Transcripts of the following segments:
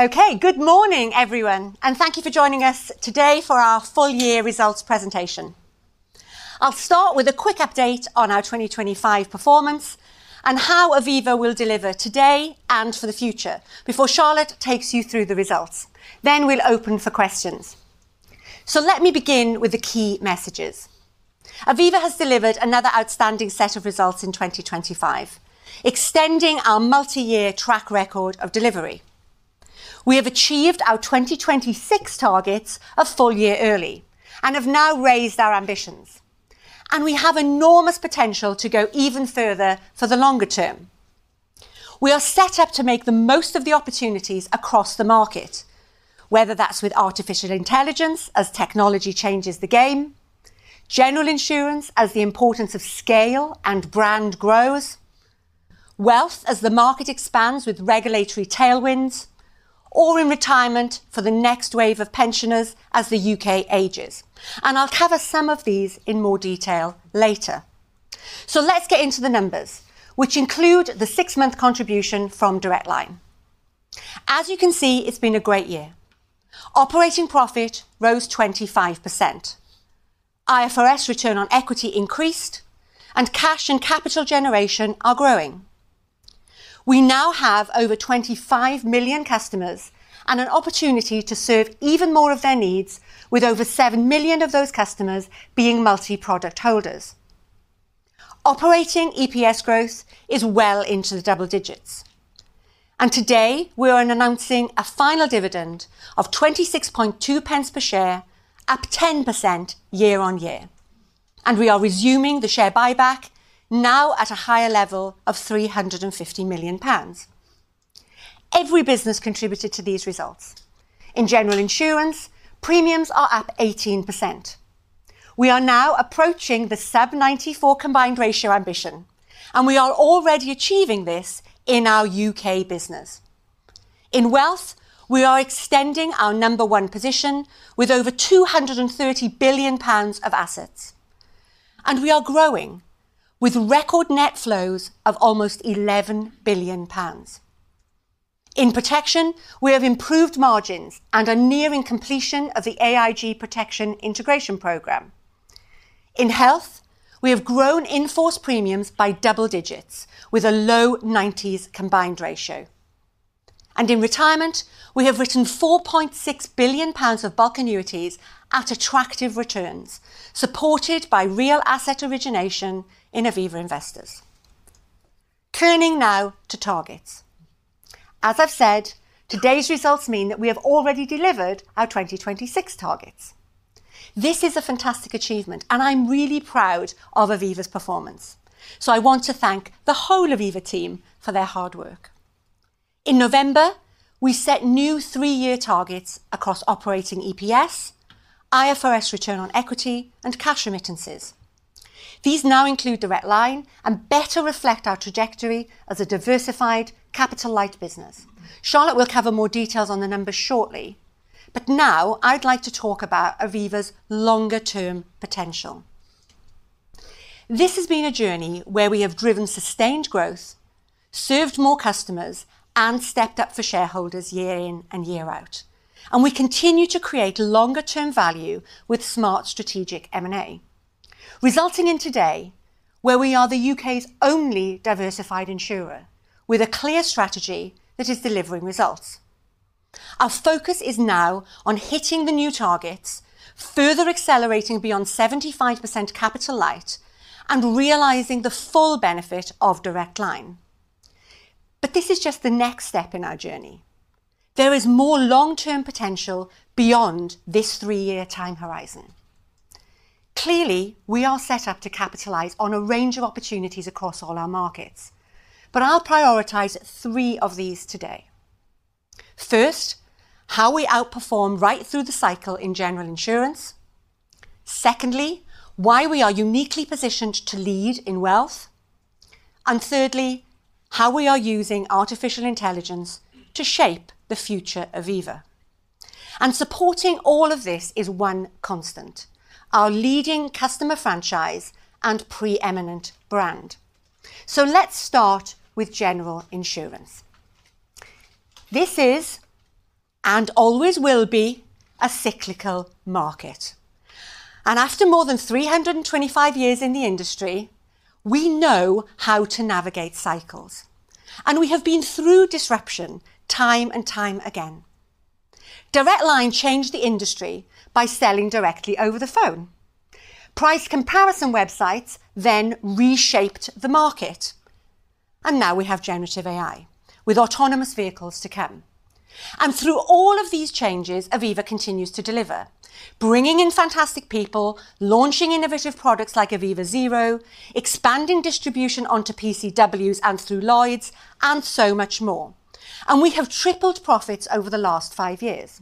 Okay, good morning, everyone, thank you for joining us today for our full year results presentation. I'll start with a quick update on our 2025 performance and how Aviva will deliver today and for the future before Charlotte takes you through the results. We'll open for questions. Let me begin with the key messages. Aviva has delivered another outstanding set of results in 2025, extending our multi-year track record of delivery. We have achieved our 2026 targets a full year early and have now raised our ambitions, and we have enormous potential to go even further for the longer term. We are set up to make the most of the opportunities across the market, whether that's with artificial intelligence as technology changes the game, general insurance as the importance of scale and brand grows, wealth as the market expands with regulatory tailwinds, or in retirement for the next wave of pensioners as the U.K. ages. I'll cover some of these in more detail later. Let's get into the numbers, which include the six-month contribution from Direct Line. As you can see, it's been a great year. Operating profit rose 25%. IFRS return on equity increased, and cash and capital generation are growing. We now have over 25 million customers and an opportunity to serve even more of their needs with over 7 million of those customers being multi-product holders. Operating EPS growth is well into the double digits. Today we are announcing a final dividend of 26.2 pence per share, up 10% year-on-year. We are resuming the share buyback now at a higher level of 350 million pounds. Every business contributed to these results. In general insurance, premiums are up 18%. We are now approaching the sub 94 combined ratio ambition, and we are already achieving this in our U.K. business. In wealth, we are extending our number one position with over 230 billion pounds of assets, and we are growing with record net flows of almost 11 billion pounds. In protection, we have improved margins and are nearing completion of the AIG Protection integration program. In health, we have grown in-force premiums by double digits with a low 90s combined ratio. In retirement, we have written 4.6 billion pounds of bulk annuities at attractive returns, supported by real asset origination in Aviva Investors. Turning now to targets. As I've said, today's results mean that we have already delivered our 2026 targets. This is a fantastic achievement, and I'm really proud of Aviva's performance, so I want to thank the whole Aviva team for their hard work. In November, we set new three-year targets across operating EPS, IFRS return on equity, and cash remittances. These now include Direct Line and better reflect our trajectory as a diversified capital-light business. Charlotte will cover more details on the numbers shortly, but now I'd like to talk about Aviva's longer term potential. This has been a journey where we have driven sustained growth, served more customers, and stepped up for shareholders year in and year out. We continue to create longer term value with smart strategic M&A, resulting in today, where we are the U.K.'s only diversified insurer with a clear strategy that is delivering results. Our focus is now on hitting the new targets, further accelerating beyond 75% capital light, and realizing the full benefit of Direct Line. This is just the next step in our journey. There is more long-term potential beyond this three-year time horizon. Clearly, we are set up to capitalize on a range of opportunities across all our markets, but I'll prioritize three of these today. First, how we outperform right through the cycle in general insurance. Secondly, why we are uniquely positioned to lead in wealth. Thirdly, how we are using artificial intelligence to shape the future of Aviva. Supporting all of this is one constant, our leading customer franchise and preeminent brand. Let's start with general insurance. This is, and always will be, a cyclical market. After more than 325 years in the industry, we know how to navigate cycles, and we have been through disruption time and time again. Direct Line changed the industry by selling directly over the phone. Price comparison websites then reshaped the market, and now we have generative AI, with autonomous vehicles to come. Through all of these changes, Aviva continues to deliver, bringing in fantastic people, launching innovative products like Aviva Zero, expanding distribution onto PCWs and through Lloyd's, and so much more. We have tripled profits over the last five years.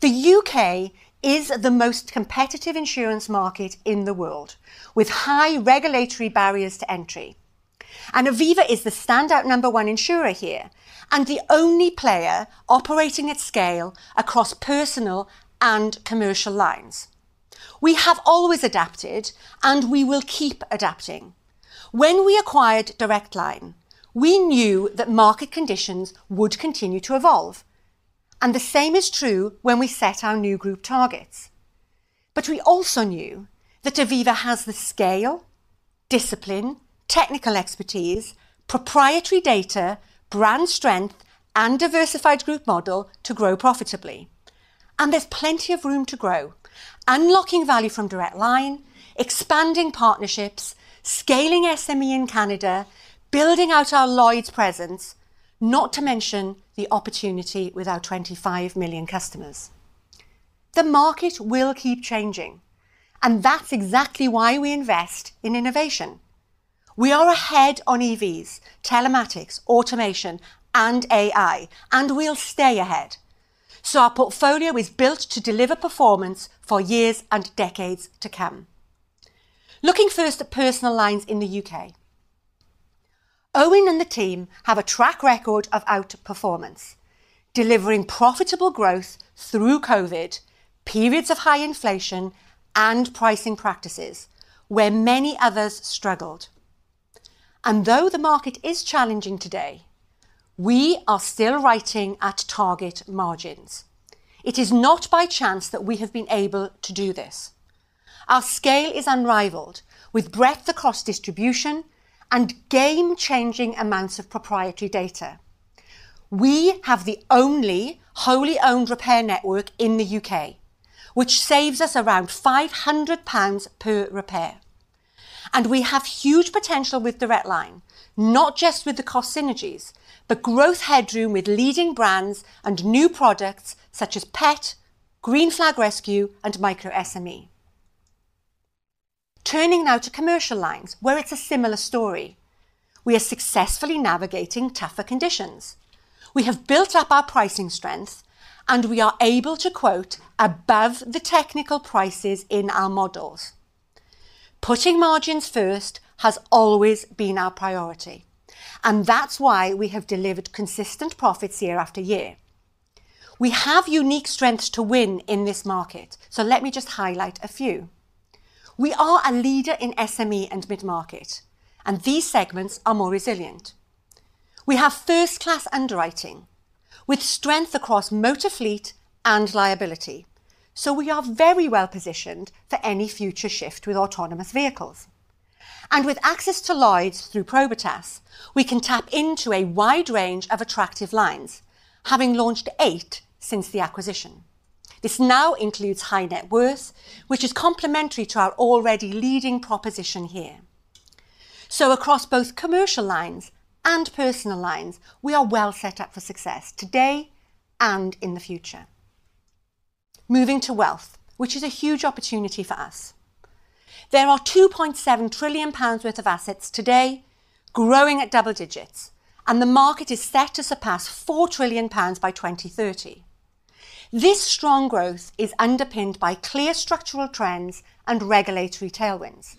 The U.K. is the most competitive insurance market in the world, with high regulatory barriers to entry. Aviva is the standout number one insurer here, and the only player operating at scale across Personal Lines and Commercial Lines. We have always adapted, and we will keep adapting. When we acquired Direct Line, we knew that market conditions would continue to evolve, and the same is true when we set our new group targets. We also knew that Aviva has the scale, discipline, technical expertise, proprietary data, brand strength, and diversified group model to grow profitably. There's plenty of room to grow: unlocking value from Direct Line, expanding partnerships, scaling SME in Canada, building out our Lloyd's presence, not to mention the opportunity with our 25 million customers. The market will keep changing, and that's exactly why we invest in innovation. We are ahead on EVs, telematics, automation, and AI, and we'll stay ahead. Our portfolio is built to deliver performance for years and decades to come. Looking first at Personal Lines in the U.K. Owen and the team have a track record of outperformance, delivering profitable growth through Covid, periods of high inflation, and pricing practices, where many others struggled. Though the market is challenging today, we are still writing at target margins. It is not by chance that we have been able to do this. Our scale is unrivaled, with breadth across distribution and game-changing amounts of proprietary data. We have the only wholly-owned repair network in the U.K., which saves us around 500 pounds per repair. We have huge potential with Direct Line, not just with the cost synergies, but growth headroom with leading brands and new products such as Pet, Green Flag Rescue, and Micro SME. Turning now to Commercial Lines, where it's a similar story. We are successfully navigating tougher conditions. We have built up our pricing strength, and we are able to quote above the technical prices in our models. Putting margins first has always been our priority, and that's why we have delivered consistent profits year-after-year. We have unique strengths to win in this market, so let me just highlight a few. We are a leader in SME and mid-market, and these segments are more resilient. We have first-class underwriting with strength across motor fleet and liability, so we are very well positioned for any future shift with autonomous vehicles. With access to Lloyd's through Probitas, we can tap into a wide range of attractive lines, having launched eight since the acquisition. This now includes high net worth, which is complementary to our already leading proposition here. Across both Commercial Lines and Personal Lines, we are well set up for success today and in the future. Moving to Wealth, which is a huge opportunity for us. There are 2.7 trillion pounds worth of assets today growing at double digits, and the market is set to surpass 4 trillion pounds by 2030. This strong growth is underpinned by clear structural trends and regulatory tailwinds.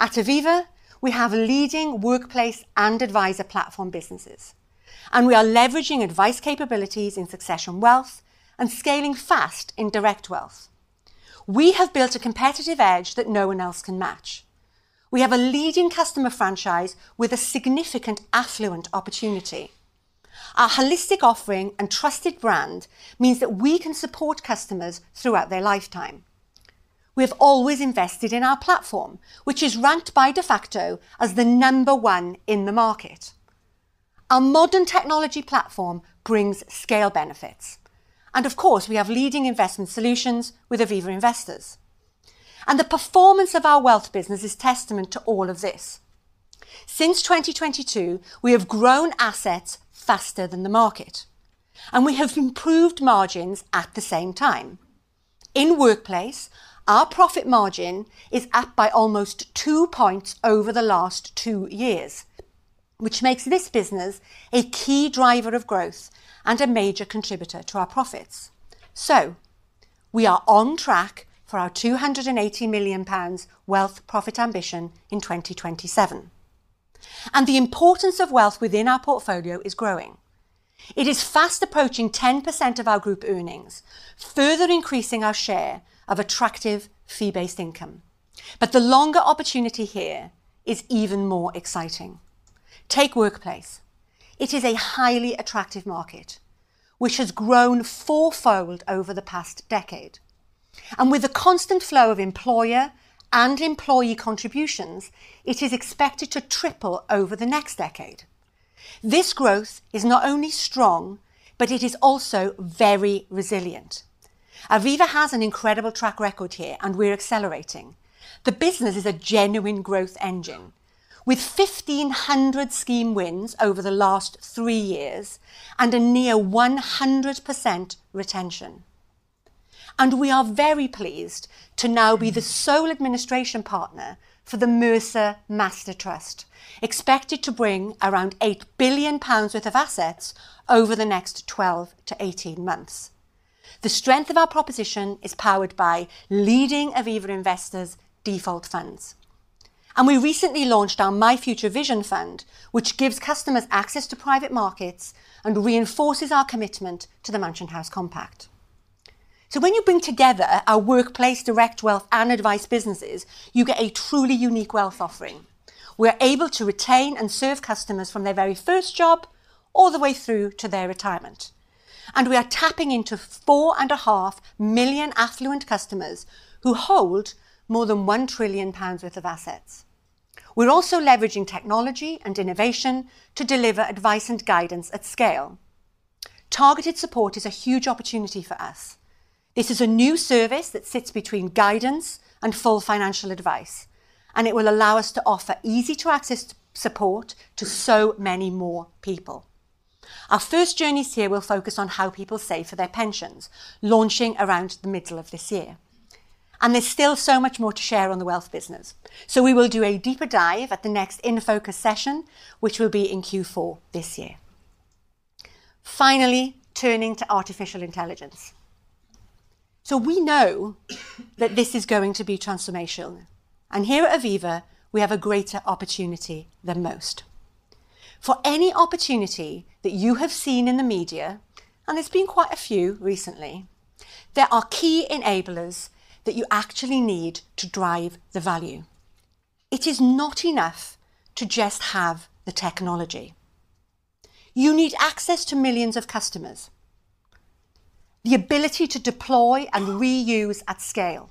At Aviva, we have leading workplace and advisor platform businesses, and we are leveraging advice capabilities in Succession Wealth and scaling fast in Direct Wealth. We have built a competitive edge that no one else can match. We have a leading customer franchise with a significant affluent opportunity. Our holistic offering and trusted brand means that we can support customers throughout their lifetime. We have always invested in our platform, which is ranked by Defaqto as the number one in the market. Our modern technology platform brings scale benefits. Of course, we have leading investment solutions with Aviva Investors. The performance of our wealth business is testament to all of this. Since 2022, we have grown assets faster than the market, and we have improved margins at the same time. In Workplace, our profit margin is up by almost 2 points over the last two years, which makes this business a key driver of growth and a major contributor to our profits. We are on track for our 280 million pounds wealth profit ambition in 2027. The importance of wealth within our portfolio is growing. It is fast approaching 10% of our group earnings, further increasing our share of attractive fee-based income. The longer opportunity here is even more exciting. Take Workplace. It is a highly attractive market which has grown fourfold over the past decade. With a constant flow of employer and employee contributions, it is expected to triple over the next decade. This growth is not only strong, but it is also very resilient. Aviva has an incredible track record here, and we're accelerating. The business is a genuine growth engine, with 1,500 scheme wins over the last three years and a near 100% retention. We are very pleased to now be the sole administration partner for the Mercer Master Trust, expected to bring around 8 billion pounds worth of assets over the next 12-18 months. The strength of our proposition is powered by leading Aviva Investors default funds. We recently launched our My Future Vision Fund, which gives customers access to private markets and reinforces our commitment to the Mansion House Compact. When you bring together our workplace, Direct Wealth, and advice businesses, you get a truly unique wealth offering. We're able to retain and serve customers from their very first job all the way through to their retirement. We are tapping into 4.5 million affluent customers who hold more than 1 trillion pounds worth of assets. We're also leveraging technology and innovation to deliver advice and guidance at scale. Targeted support is a huge opportunity for us. This is a new service that sits between guidance and full financial advice, and it will allow us to offer easy-to-access support to so many more people. Our first journeys here will focus on how people save for their pensions, launching around the middle of this year. There's still so much more to share on the wealth business. We will do a deeper dive at the next In Focus session, which will be in Q4 this year. Finally, turning to artificial intelligence. We know that this is going to be transformational, and here at Aviva, we have a greater opportunity than most. For any opportunity that you have seen in the media, and there's been quite a few recently, there are key enablers that you actually need to drive the value. It is not enough to just have the technology. You need access to millions of customers, the ability to deploy and reuse at scale,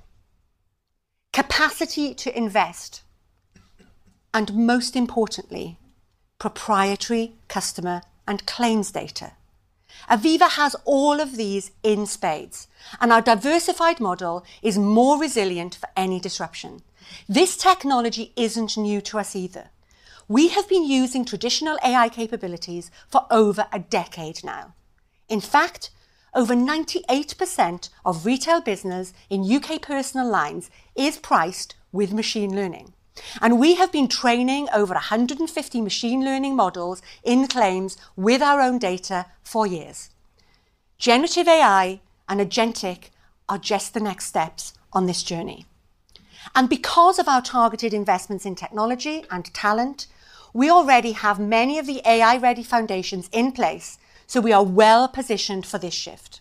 capacity to invest, and most importantly, proprietary customer and claims data. Aviva has all of these in spades, our diversified model is more resilient for any disruption. This technology isn't new to us either. We have been using traditional AI capabilities for over a decade now. In fact, over 98% of retail business in U.K. Personal Lines is priced with machine learning. We have been training over 150 machine learning models in claims with our own data for years. Generative AI and agentic are just the next steps on this journey. Because of our targeted investments in technology and talent, we already have many of the AI-ready foundations in place, so we are well-positioned for this shift.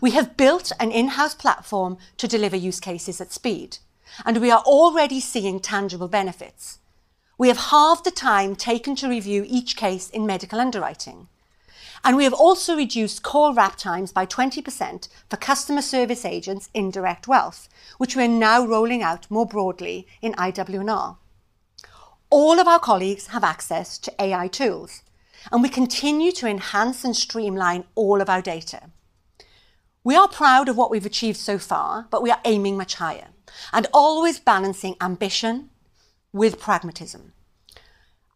We have built an in-house platform to deliver use cases at speed, and we are already seeing tangible benefits. We have halved the time taken to review each case in medical underwriting, and we have also reduced call wrap times by 20% for customer service agents in Direct Wealth, which we are now rolling out more broadly in IWR. All of our colleagues have access to AI tools, and we continue to enhance and streamline all of our data. We are proud of what we've achieved so far, but we are aiming much higher and always balancing ambition with pragmatism.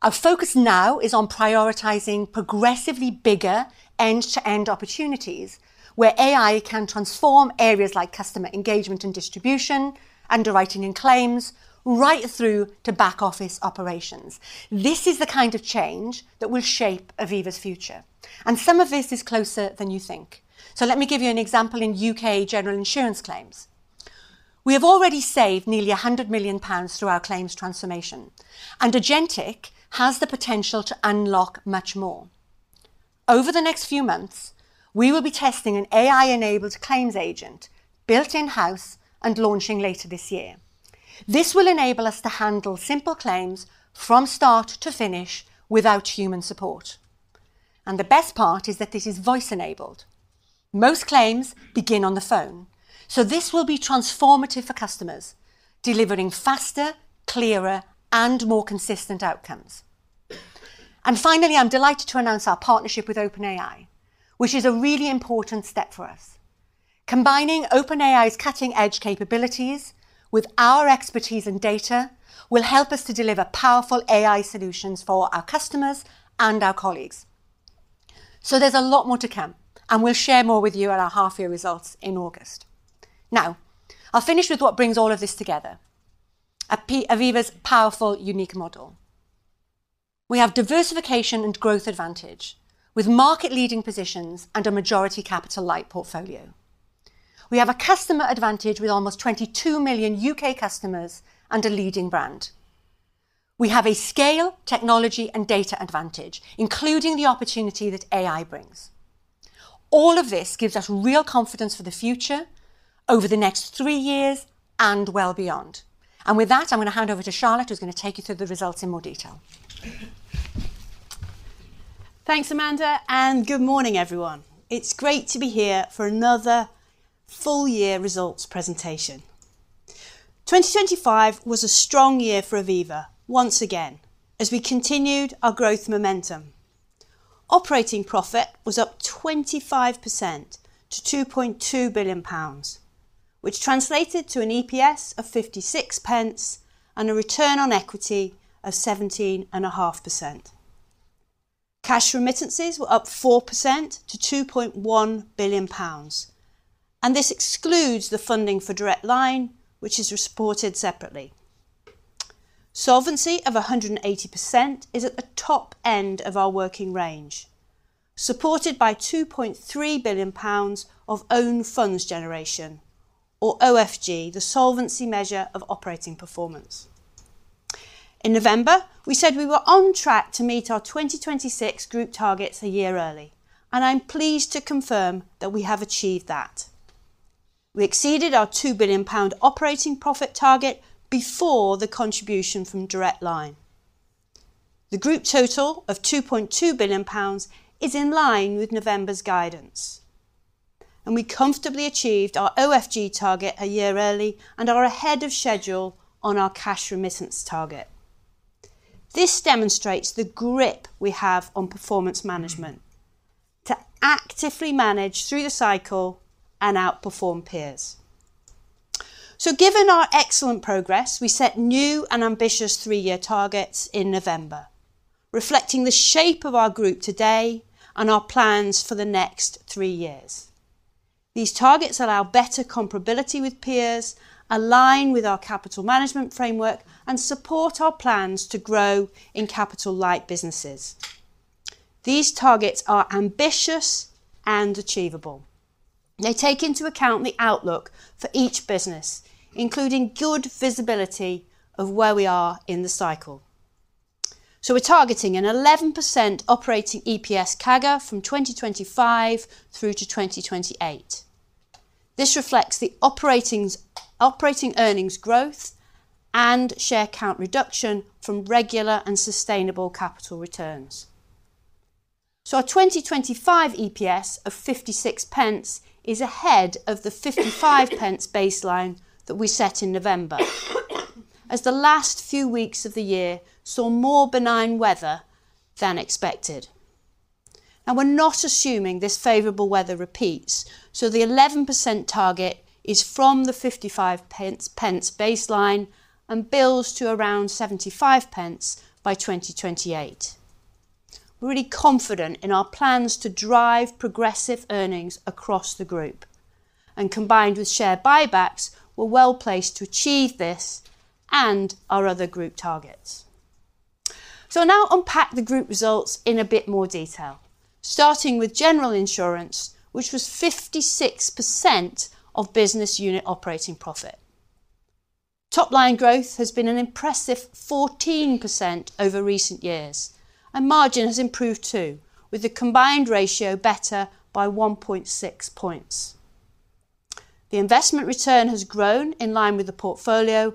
Our focus now is on prioritizing progressively bigger end-to-end opportunities where AI can transform areas like customer engagement and distribution, underwriting and claims, right through to back office operations. This is the kind of change that will shape Aviva's future, and some of this is closer than you think. Let me give you an example in U.K. general insurance claims. We have already saved nearly 100 million pounds through our claims transformation. Agentic has the potential to unlock much more. Over the next few months, we will be testing an AI-enabled claims agent built in-house and launching later this year. This will enable us to handle simple claims from start to finish without human support. The best part is that this is voice-enabled. Most claims begin on the phone, this will be transformative for customers, delivering faster, clearer, and more consistent outcomes. Finally, I'm delighted to announce our partnership with OpenAI, which is a really important step for us. Combining OpenAI's cutting-edge capabilities with our expertise and data will help us to deliver powerful AI solutions for our customers and our colleagues. There's a lot more to come, and we'll share more with you at our half-year results in August. Now, I'll finish with what brings all of this together, A-Aviva's powerful, unique model. We have diversification and growth advantage with market-leading positions and a majority capital-light portfolio. We have a customer advantage with almost 22 million U.K. customers and a leading brand. We have a scale, technology, and data advantage, including the opportunity that AI brings. All of this gives us real confidence for the future over the next three years and well beyond. With that, I'm gonna hand over to Charlotte, who's gonna take you through the results in more detail. Thanks, Amanda. Good morning, everyone. It's great to be here for another full year results presentation. 2025 was a strong year for Aviva, once again, as we continued our growth momentum. Operating profit was up 25% to 2.2 billion pounds, which translated to an EPS of 56 pence and a return on equity of 17.5%. Cash remittances were up 4% to 2.1 billion pounds, and this excludes the funding for Direct Line, which is reported separately. Solvency of 180% is at the top end of our working range. Supported by 2.3 billion pounds of Own Funds Generation or OFG, the solvency measure of operating performance. In November, we said we were on track to meet our 2026 group targets a year early, and I'm pleased to confirm that we have achieved that. We exceeded our 2 billion pound operating profit target before the contribution from Direct Line. The group total of 2.2 billion pounds is in line with November's guidance, and we comfortably achieved our OFG target a year early and are ahead of schedule on our cash remittance target. This demonstrates the grip we have on performance management to actively manage through the cycle and outperform peers. Given our excellent progress, we set new and ambitious three-year targets in November, reflecting the shape of our group today and our plans for the next three years. These targets allow better comparability with peers, align with our capital management framework, and support our plans to grow in capital-light businesses. These targets are ambitious and achievable. They take into account the outlook for each business, including good visibility of where we are in the cycle. We're targeting an 11% operating EPS CAGR from 2025 through to 2028. This reflects the operating earnings growth and share count reduction from regular and sustainable capital returns. Our 2025 EPS of 0.56 is ahead of the 0.55 baseline that we set in November, as the last few weeks of the year saw more benign weather than expected. We're not assuming this favorable weather repeats, the 11% target is from the 0.55 baseline and builds to around 0.75 by 2028. We're really confident in our plans to drive progressive earnings across the group. Combined with share buybacks, we're well-placed to achieve this and our other group targets. I'll now unpack the group results in a bit more detail, starting with general insurance, which was 56% of business unit operating profit. Top line growth has been an impressive 14% over recent years. Margin has improved too, with the combined ratio better by 1.6 points. The investment return has grown in line with the portfolio,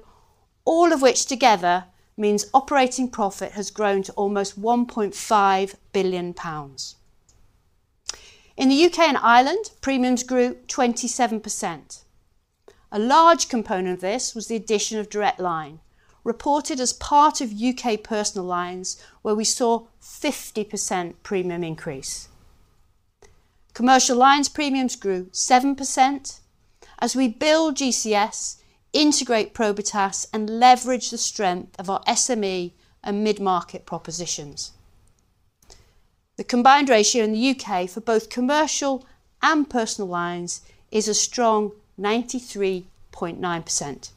all of which together means operating profit has grown to almost 1.5 billion pounds. In the U.K. and Ireland, premiums grew 27%. A large component of this was the addition of Direct Line, reported as part of U.K. Personal Lines, where we saw 50% premium increase. Commercial Lines premiums grew 7% as we build GCS, integrate Probitas, and leverage the strength of our SME and mid-market propositions. The combined ratio in the U.K. for both Commercial Lines and Personal Lines is a strong 93.9%.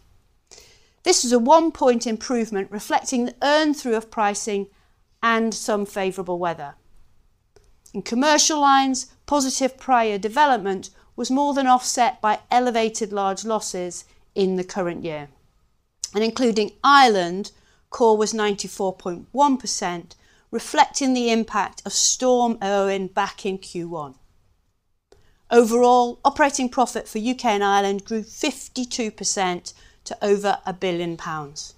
This is a 1-point improvement reflecting the earn through of pricing and some favorable weather. In commercial lines, positive prior development was more than offset by elevated large losses in the current year. Including Ireland, core was 94.1%, reflecting the impact of Storm Éowyn back in Q1. Overall, operating profit for U.K. and Ireland grew 52% to over 1 billion pounds.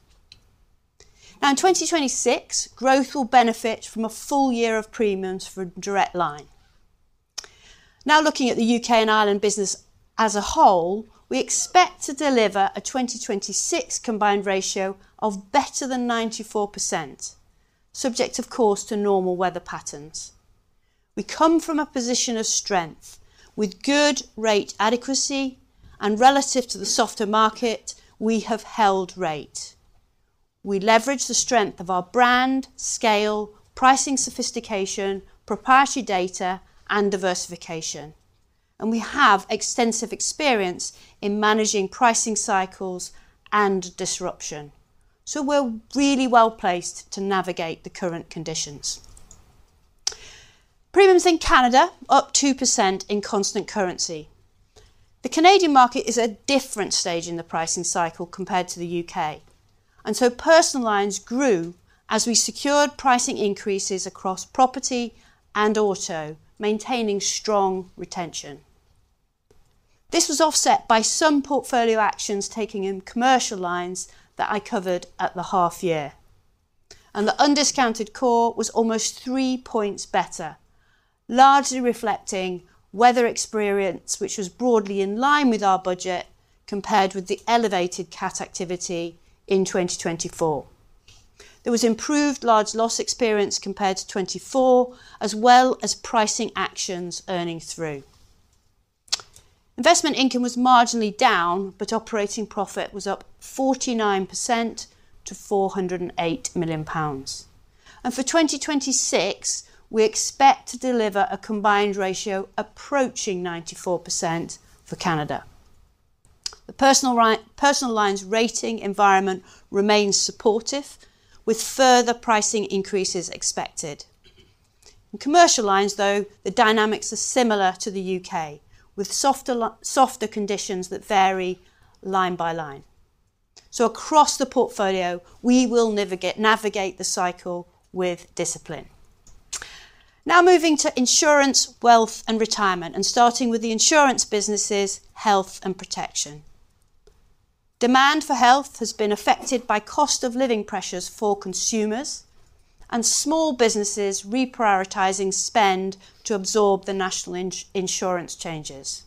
In 2026, growth will benefit from a full year of premiums for Direct Line. Looking at the U.K. and Ireland business as a whole, we expect to deliver a 2026 combined ratio of better than 94%, subject of course to normal weather patterns. We come from a position of strength with good rate adequacy and relative to the softer market we have held rate. We leverage the strength of our brand, scale, pricing sophistication, proprietary data and diversification, and we have extensive experience in managing pricing cycles and disruption. We're really well placed to navigate the current conditions. Premiums in Canada up 2% in constant currency. The Canadian market is at a different stage in the pricing cycle compared to the U.K., Personal Lines grew as we secured pricing increases across property and auto, maintaining strong retention. This was offset by some portfolio actions taken in Commercial Lines that I covered at the half year. The undiscounted core was almost 3 points better, largely reflecting weather experience which was broadly in line with our budget compared with the elevated cat activity in 2024. There was improved large loss experience compared to 2024 as well as pricing actions earning through. Investment income was marginally down, operating profit was up 49% to 408 million pounds. For 2026 we expect to deliver a combined ratio approaching 94% for Canada. The Personal Lines rating environment remains supportive with further pricing increases expected. In commercial lines, though, the dynamics are similar to the U.K., with softer conditions that vary line by line. Across the portfolio, we will navigate the cycle with discipline. Moving to insurance, wealth, and retirement, and starting with the insurance businesses, health and protection. Demand for health has been affected by cost of living pressures for consumers and small businesses reprioritizing spend to absorb the national insurance changes.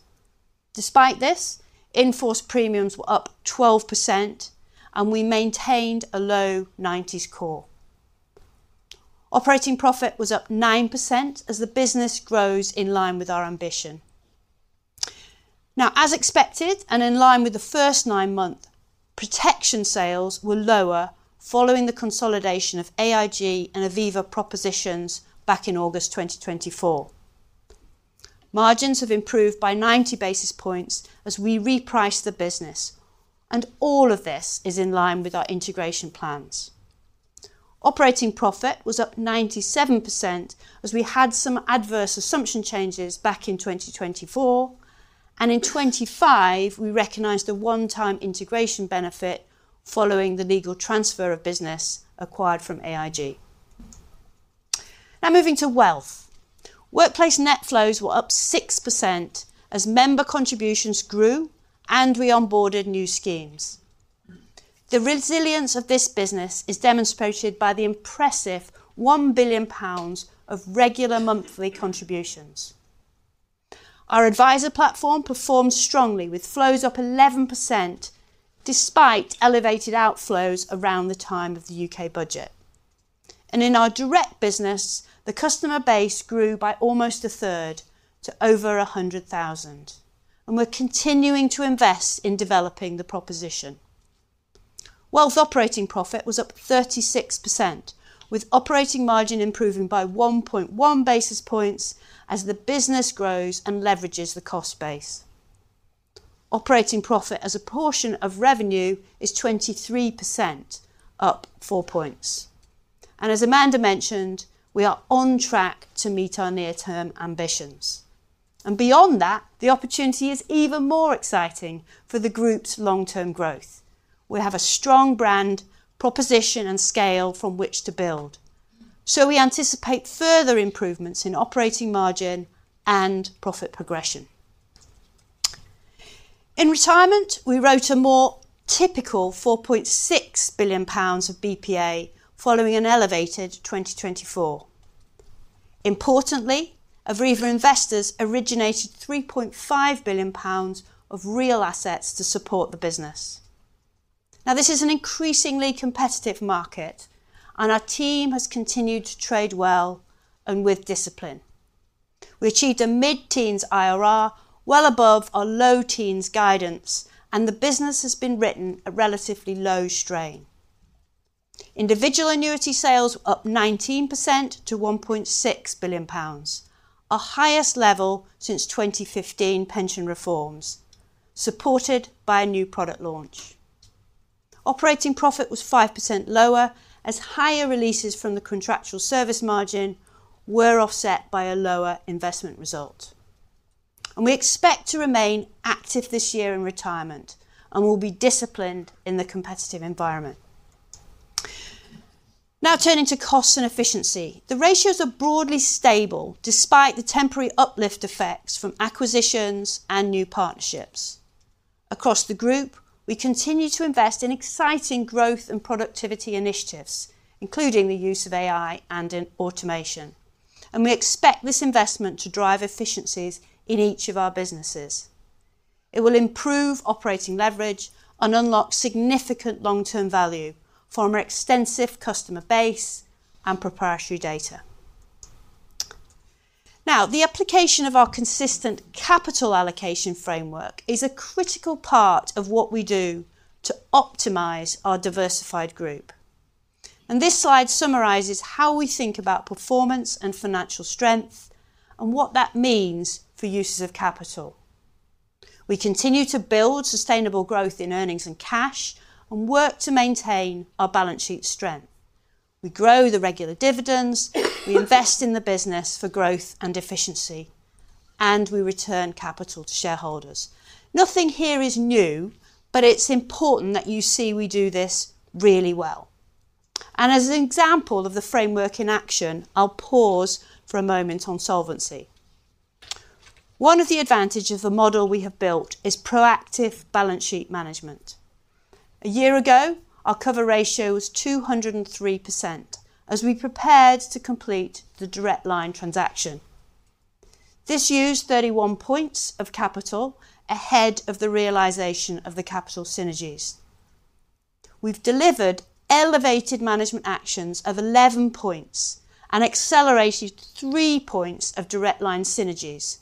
Despite this, in-force premiums were up 12% and we maintained a low 90s core. Operating profit was up 9% as the business grows in line with our ambition. As expected, and in line with the first nine months, protection sales were lower following the consolidation of AIG and Aviva propositions back in August 2024. Margins have improved by 90 basis points as we reprice the business, and all of this is in line with our integration plans. Operating profit was up 97% as we had some adverse assumption changes back in 2024, and in 2025 we recognized a one-time integration benefit following the legal transfer of business acquired from AIG. Moving to wealth. Workplace net flows were up 6% as member contributions grew and we onboarded new schemes. The resilience of this business is demonstrated by the impressive 1 billion pounds of regular monthly contributions. Our advisor platform performed strongly, with flows up 11% despite elevated outflows around the time of the U.K. budget. In our direct business, the customer base grew by almost a third to over 100,000, and we're continuing to invest in developing the proposition. Wealth operating profit was up 36% with operating margin improving by 1.1 basis points as the business grows and leverages the cost base. Operating profit as a portion of revenue is 23%, up 4 points. As Amanda mentioned, we are on track to meet our near-term ambitions. Beyond that, the opportunity is even more exciting for the group's long-term growth. We have a strong brand, proposition, and scale from which to build. We anticipate further improvements in operating margin and profit progression. In retirement, we wrote a more typical 4.6 billion pounds of BPA following an elevated 2024. Importantly, Aviva Investors originated 3.5 billion pounds of real assets to support the business. This is an increasingly competitive market, and our team has continued to trade well and with discipline. We achieved a mid-teens IRR well above our low teens guidance, and the business has been written at relatively low strain. Individual annuity sales were up 19% to 1.6 billion pounds, our highest level since 2015 pension reforms, supported by a new product launch. Operating profit was 5% lower as higher releases from the contractual service margin were offset by a lower investment result. We expect to remain active this year in retirement and will be disciplined in the competitive environment. Turning to costs and efficiency. The ratios are broadly stable despite the temporary uplift effects from acquisitions and new partnerships. Across the group, we continue to invest in exciting growth and productivity initiatives, including the use of AI and in automation. We expect this investment to drive efficiencies in each of our businesses. It will improve operating leverage and unlock significant long-term value for our extensive customer base and proprietary data. Now, the application of our consistent capital allocation framework is a critical part of what we do to optimize our diversified group. This slide summarizes how we think about performance and financial strength and what that means for uses of capital. We continue to build sustainable growth in earnings and cash and work to maintain our balance sheet strength. We grow the regular dividends, we invest in the business for growth and efficiency, and we return capital to shareholders. Nothing here is new, but it's important that you see we do this really well. As an example of the framework in action, I'll pause for a moment on solvency. One of the advantages of the model we have built is proactive balance sheet management. A year ago, our cover ratio was 203% as we prepared to complete the Direct Line transaction. This used 31 points of capital ahead of the realization of the capital synergies. We've delivered elevated management actions of 11 points and accelerated 3 points of Direct Line synergies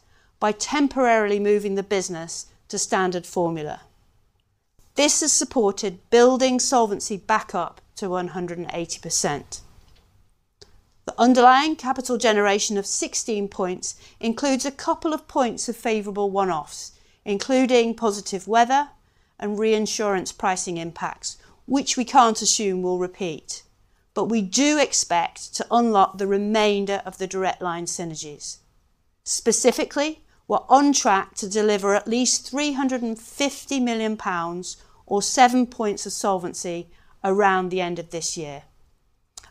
by temporarily moving the business to standard formula. This has supported building solvency back up to 180%. The underlying capital generation of 16 points includes a couple of points of favorable one-offs, including positive weather and reinsurance pricing impacts, which we can't assume will repeat. We do expect to unlock the remainder of the Direct Line synergies. Specifically, we're on track to deliver at least 350 million pounds or 7 points of solvency around the end of this year.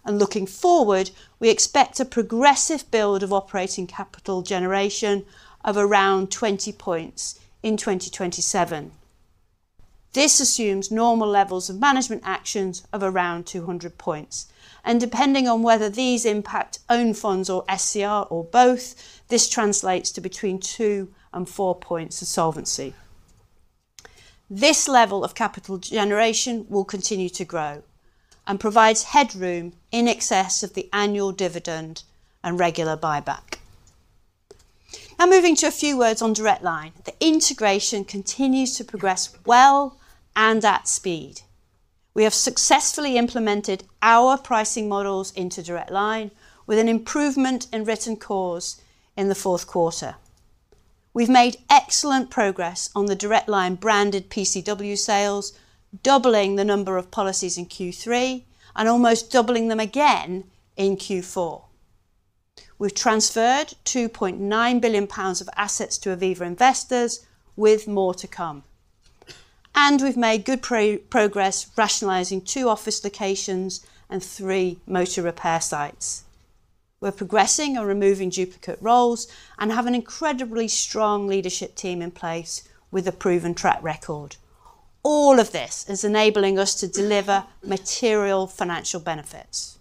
Looking forward, we expect a progressive build of operating capital generation of around 20 points in 2027. This assumes normal levels of management actions of around 200 points, and depending on whether these impact own funds or SCR or both, this translates to between 2 and 4 points of solvency. This level of capital generation will continue to grow and provides headroom in excess of the annual dividend and regular buyback. Moving to a few words on Direct Line. The integration continues to progress well and at speed. We have successfully implemented our pricing models into Direct Line with an improvement in written cores in the fourth quarter. We've made excellent progress on the Direct Line branded PCW sales, doubling the number of policies in Q3 and almost doubling them again in Q4. We've transferred 2.9 billion pounds of assets to Aviva Investors with more to come. We've made good progress rationalizing two office locations and three motor repair sites. We're progressing or removing duplicate roles and have an incredibly strong leadership team in place with a proven track record. All of this is enabling us to deliver material financial benefits.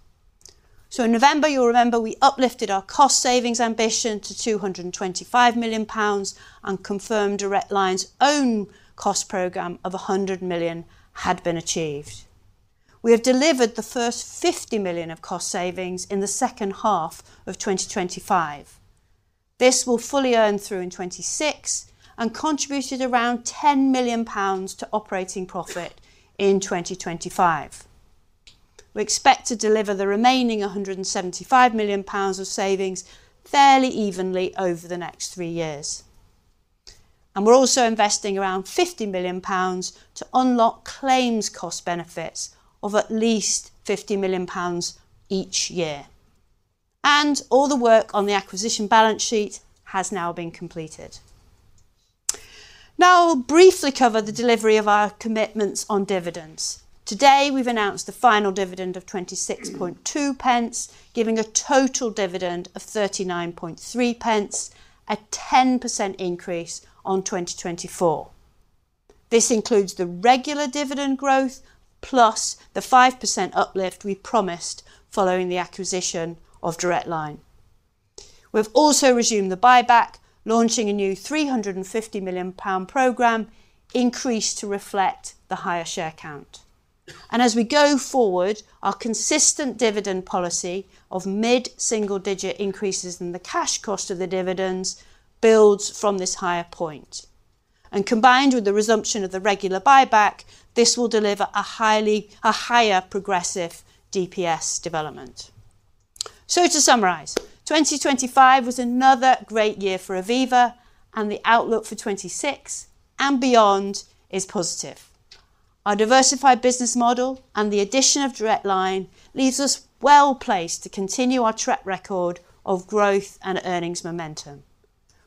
In November, you'll remember we uplifted our cost savings ambition to 225 million pounds and confirmed Direct Line's own cost program of 100 million had been achieved. We have delivered the first 50 million of cost savings in the second half of 2025. This will fully earn through in 2026 and contributed around 10 million pounds to operating profit in 2025. We expect to deliver the remaining 175 million pounds of savings fairly evenly over the next three years. We're also investing around 50 million pounds to unlock claims cost benefits of at least 50 million pounds each year. All the work on the acquisition balance sheet has now been completed. I'll briefly cover the delivery of our commitments on dividends. Today, we've announced the final dividend of 0.262, giving a total dividend of 0.393, a 10% increase on 2024. This includes the regular dividend growth plus the 5% uplift we promised following the acquisition of Direct Line. We've also resumed the buyback, launching a new 350 million pound program increased to reflect the higher share count. As we go forward, our consistent dividend policy of mid-single-digit increases in the cash cost of the dividends builds from this higher point. Combined with the resumption of the regular buyback, this will deliver a higher progressive DPS development. To summarize, 2025 was another great year for Aviva, and the outlook for 2026 and beyond is positive. Our diversified business model and the addition of Direct Line leaves us well-placed to continue our track record of growth and earnings momentum.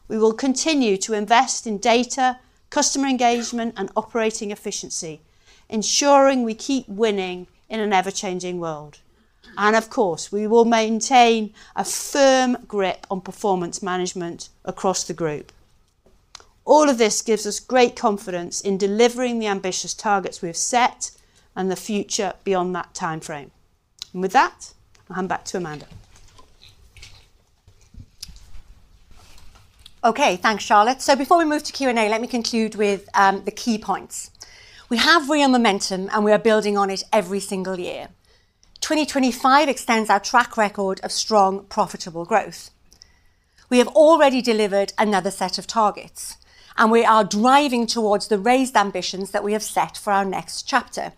We will continue to invest in data, customer engagement, and operating efficiency, ensuring we keep winning in an ever-changing world. Of course, we will maintain a firm grip on performance management across the group. All of this gives us great confidence in delivering the ambitious targets we have set and the future beyond that time frame. With that, I'll hand back to Amanda. Okay. Thanks, Charlotte. Before we move to Q&A, let me conclude with the key points. We have real momentum, and we are building on it every single year. 2025 extends our track record of strong, profitable growth. We have already delivered another set of targets, and we are driving towards the raised ambitions that we have set for our next chapter.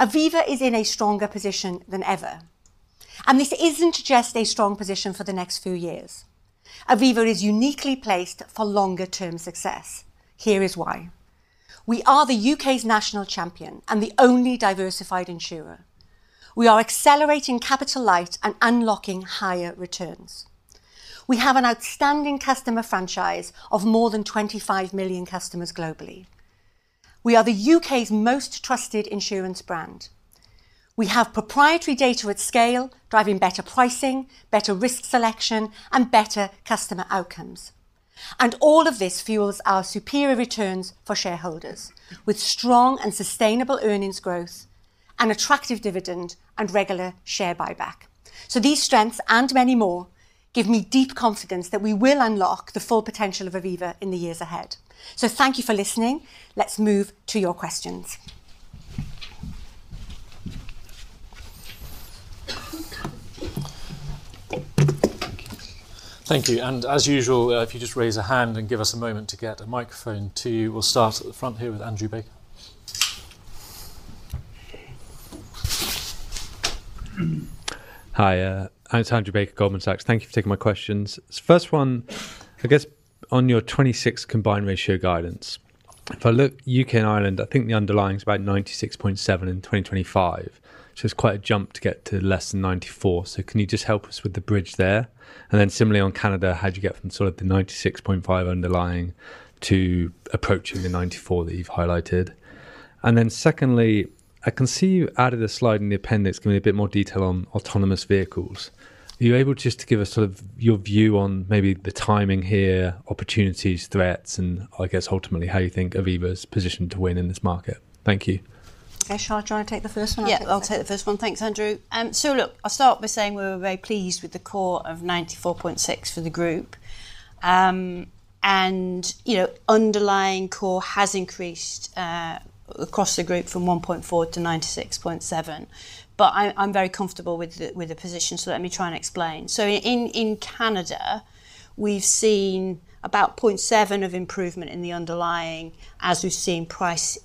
Aviva is in a stronger position than ever, and this isn't just a strong position for the next few years. Aviva is uniquely placed for longer-term success. Here is why. We are the U.K.'s national champion and the only diversified insurer. We are accelerating capital light and unlocking higher returns. We have an outstanding customer franchise of more than 25 million customers globally. We are the U.K.'s most trusted insurance brand. We have proprietary data at scale, driving better pricing, better risk selection, and better customer outcomes. All of this fuels our superior returns for shareholders with strong and sustainable earnings growth and attractive dividend and regular share buyback. These strengths and many more give me deep confidence that we will unlock the full potential of Aviva in the years ahead. Thank you for listening. Let's move to your questions. Thank you. As usual, if you just raise your hand and give us a moment to get a microphone to you. We'll start at the front here with Andrew Baker. Hi, I'm Andrew Baker, Goldman Sachs. Thank you for taking my questions. First one, I guess on your 26 combined ratio guidance. If I look U.K. and Ireland, I think the underlying's about 96.7 in 2025. It's quite a jump to get to less than 94. Similarly on Canada, how'd you get from sort of the 96.5 underlying to approaching the 94 that you've highlighted? Secondly, I can see you added a slide in the appendix, giving a bit more detail on autonomous vehicles. Are you able just to give us sort of your view on maybe the timing here, opportunities, threats, and I guess ultimately how you think Aviva's positioned to win in this market? Thank you. Okay. Shall I try and take the first one? Yeah, I'll take the first one. Thanks, Andrew. Look, I'll start by saying we were very pleased with the core of 94.6% for the group. You know, underlying core has increased across the group from 1.4% to 96.7%. I'm very comfortable with the position, let me try and explain. In Canada, we've seen about 0.7% of improvement in the underlying as we've seen price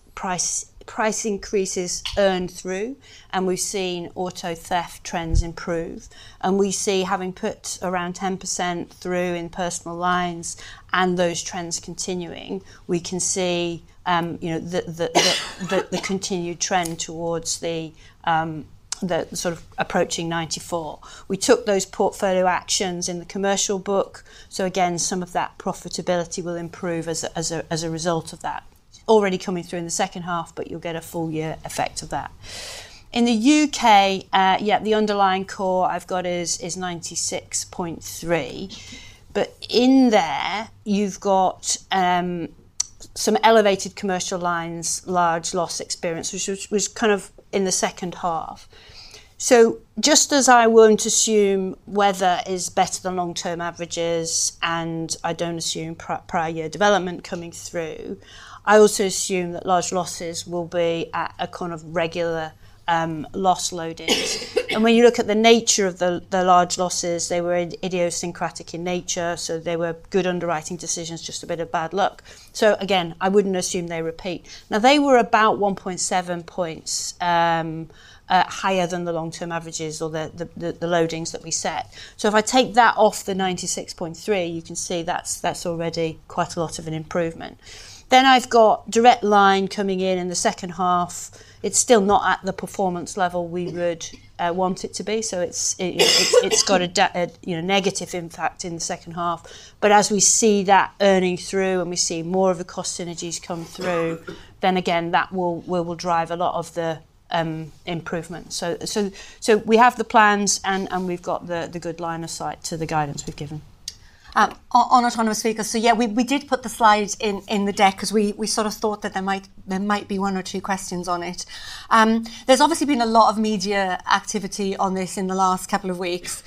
increases earn through, and we've seen auto theft trends improve. We see having put around 10% through in Personal Lines and those trends continuing, we can see, you know, the continued trend towards the sort of approaching 94%. We took those portfolio actions in the commercial book. Again, some of that profitability will improve as a result of that. Already coming through in the second half, you'll get a full year effect of that. In the U.K., yeah, the underlying core I've got is 96.3%. In there you've got some elevated Commercial Lines, large loss experience, which was kind of in the second half. Just as I won't assume weather is better than long-term averages and I don't assume prior year development coming through, I also assume that large losses will be at a kind of regular loss loading. When you look at the nature of the large losses, they were idiosyncratic in nature, so they were good underwriting decisions, just a bit of bad luck. Again, I wouldn't assume they repeat. They were about 1.7 points higher than the long-term averages or the loadings that we set. If I take that off the 96.3%, you can see that's already quite a lot of an improvement. I've got Direct Line coming in in the second half. It's still not at the performance level we would want it to be. It's got a, you know, negative impact in the second half. As we see that earning through and we see more of the cost synergies come through, then again that will drive a lot of the improvement. We have the plans and we've got the good line of sight to the guidance we've given. On autonomous vehicles. Yeah, we did put the slides in the deck 'cause we sort of thought that there might be one or two questions on it. There's obviously been a lot of media activity on this in the last couple of weeks.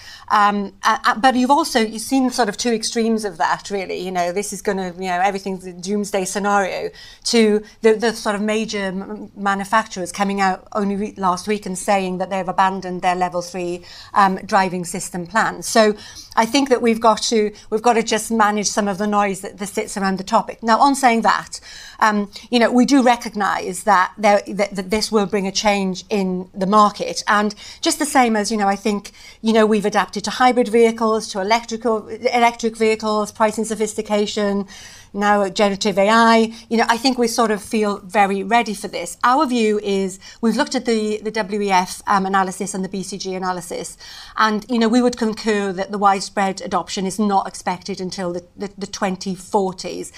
You've also you've seen sort of two extremes of that really. You know, this is gonna, you know, everything's doomsday scenario to the sort of major manufacturers coming out only last week and saying that they've abandoned their Level 3 driving system plans. I think that we've got to just manage some of the noise that sits around the topic. On saying that, you know, we do recognize that this will bring a change in the market and just the same as, you know, I think, you know, we've adapted to hybrid vehicles, to electric vehicles, pricing sophistication. Generative AI. You know, I think we sort of feel very ready for this. Our view is we've looked at the WEF analysis and the BCG analysis, you know, we would concur that the widespread adoption is not expected until the 2040s.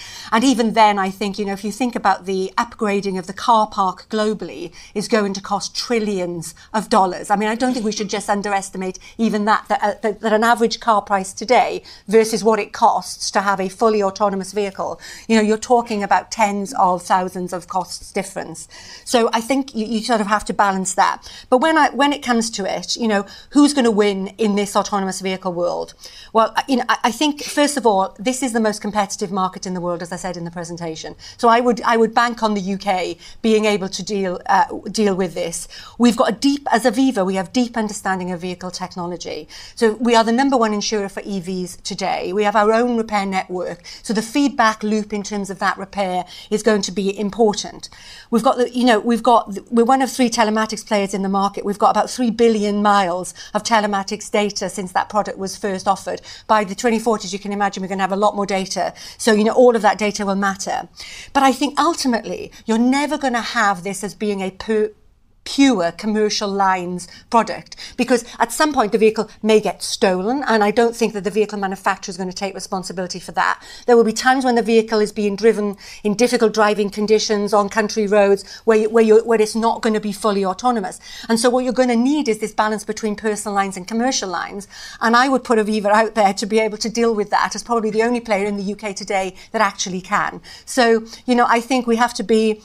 Even then, I think, you know, if you think about the upgrading of the car park globally is going to cost $ trillions. I mean, I don't think we should just underestimate even that an average car price today versus what it costs to have a fully autonomous vehicle. You know, you're talking about tens of thousands of costs difference. I think you sort of have to balance that. When it comes to it, you know, who's gonna win in this autonomous vehicle world? You know, I think first of all, this is the most competitive market in the world, as I said in the presentation. I would bank on the U.K. being able to deal with this. As Aviva, we have deep understanding of vehicle technology. We are the number one insurer for EVs today. We have our own repair network. The feedback loop in terms of that repair is going to be important. We've got the, you know, we're one of three telematics players in the market. We've got about 3 billion mi of telematics data since that product was first offered. By the 2040s, you can imagine we're gonna have a lot more data. You know, all of that data will matter. I think ultimately you're never gonna have this as being a pure Commercial Lines product because at some point the vehicle may get stolen, and I don't think that the vehicle manufacturer is gonna take responsibility for that. There will be times when the vehicle is being driven in difficult driving conditions on country roads where it's not gonna be fully autonomous. What you're gonna need is this balance between Personal Lines and Commercial Lines, and I would put Aviva out there to be able to deal with that as probably the only player in the U.K. today that actually can. You know, I think we have to be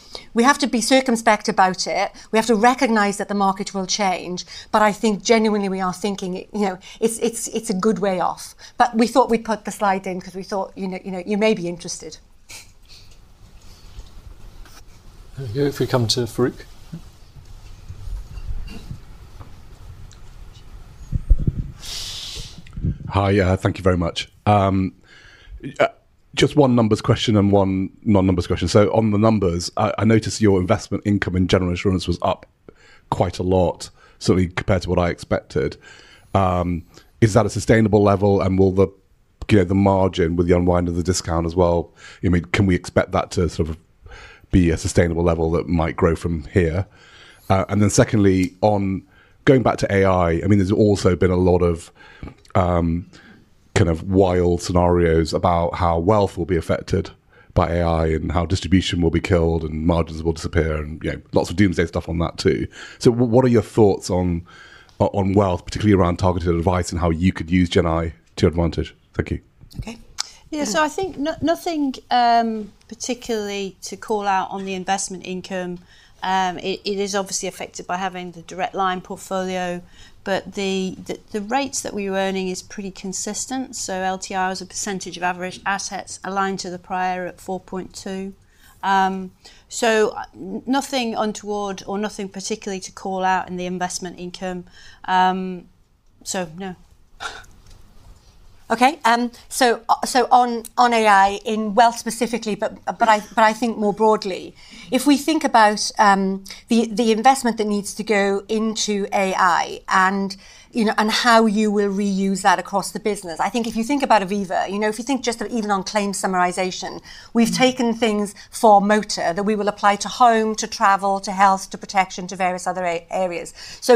circumspect about it. We have to recognize that the market will change. I think genuinely we are thinking, you know, it's a good way off. We thought we'd put the slide in 'cause we thought, you know, you may be interested. There we go. If we come to Farooq. Hi. Yeah, thank you very much. just one numbers question and one non-numbers question. On the numbers, I notice your investment income in general insurance was up quite a lot, sort of compared to what I expected. Is that a sustainable level and will the, you know, the margin with the unwind of the discount as well, you know, I mean, can we expect that to sort of be a sustainable level that might grow from here? Secondly, on going back to AI, I mean, there's also been a lot of, kind of wild scenarios about how wealth will be affected by AI and how distribution will be killed and margins will disappear and, you know, lots of doomsday stuff on that too. What are your thoughts on wealth, particularly around targeted advice and how you could use GenAI to your advantage? Thank you. Okay. Yeah. I think nothing particularly to call out on the investment income. It is obviously affected by having the Direct Line portfolio, but the rates that we were earning is pretty consistent. LTR as a percentage of average assets aligned to the prior at 4.2%. Nothing untoward or nothing particularly to call out in the investment income. No. Okay. So on AI in wealth specifically, but I think more broadly. If we think about the investment that needs to go into AI and, you know, and how you will reuse that across the business, I think if you think about Aviva, you know, if you think just even on claim summarization, we've taken things for motor that we will apply to home, to travel, to health, to protection, to various other areas.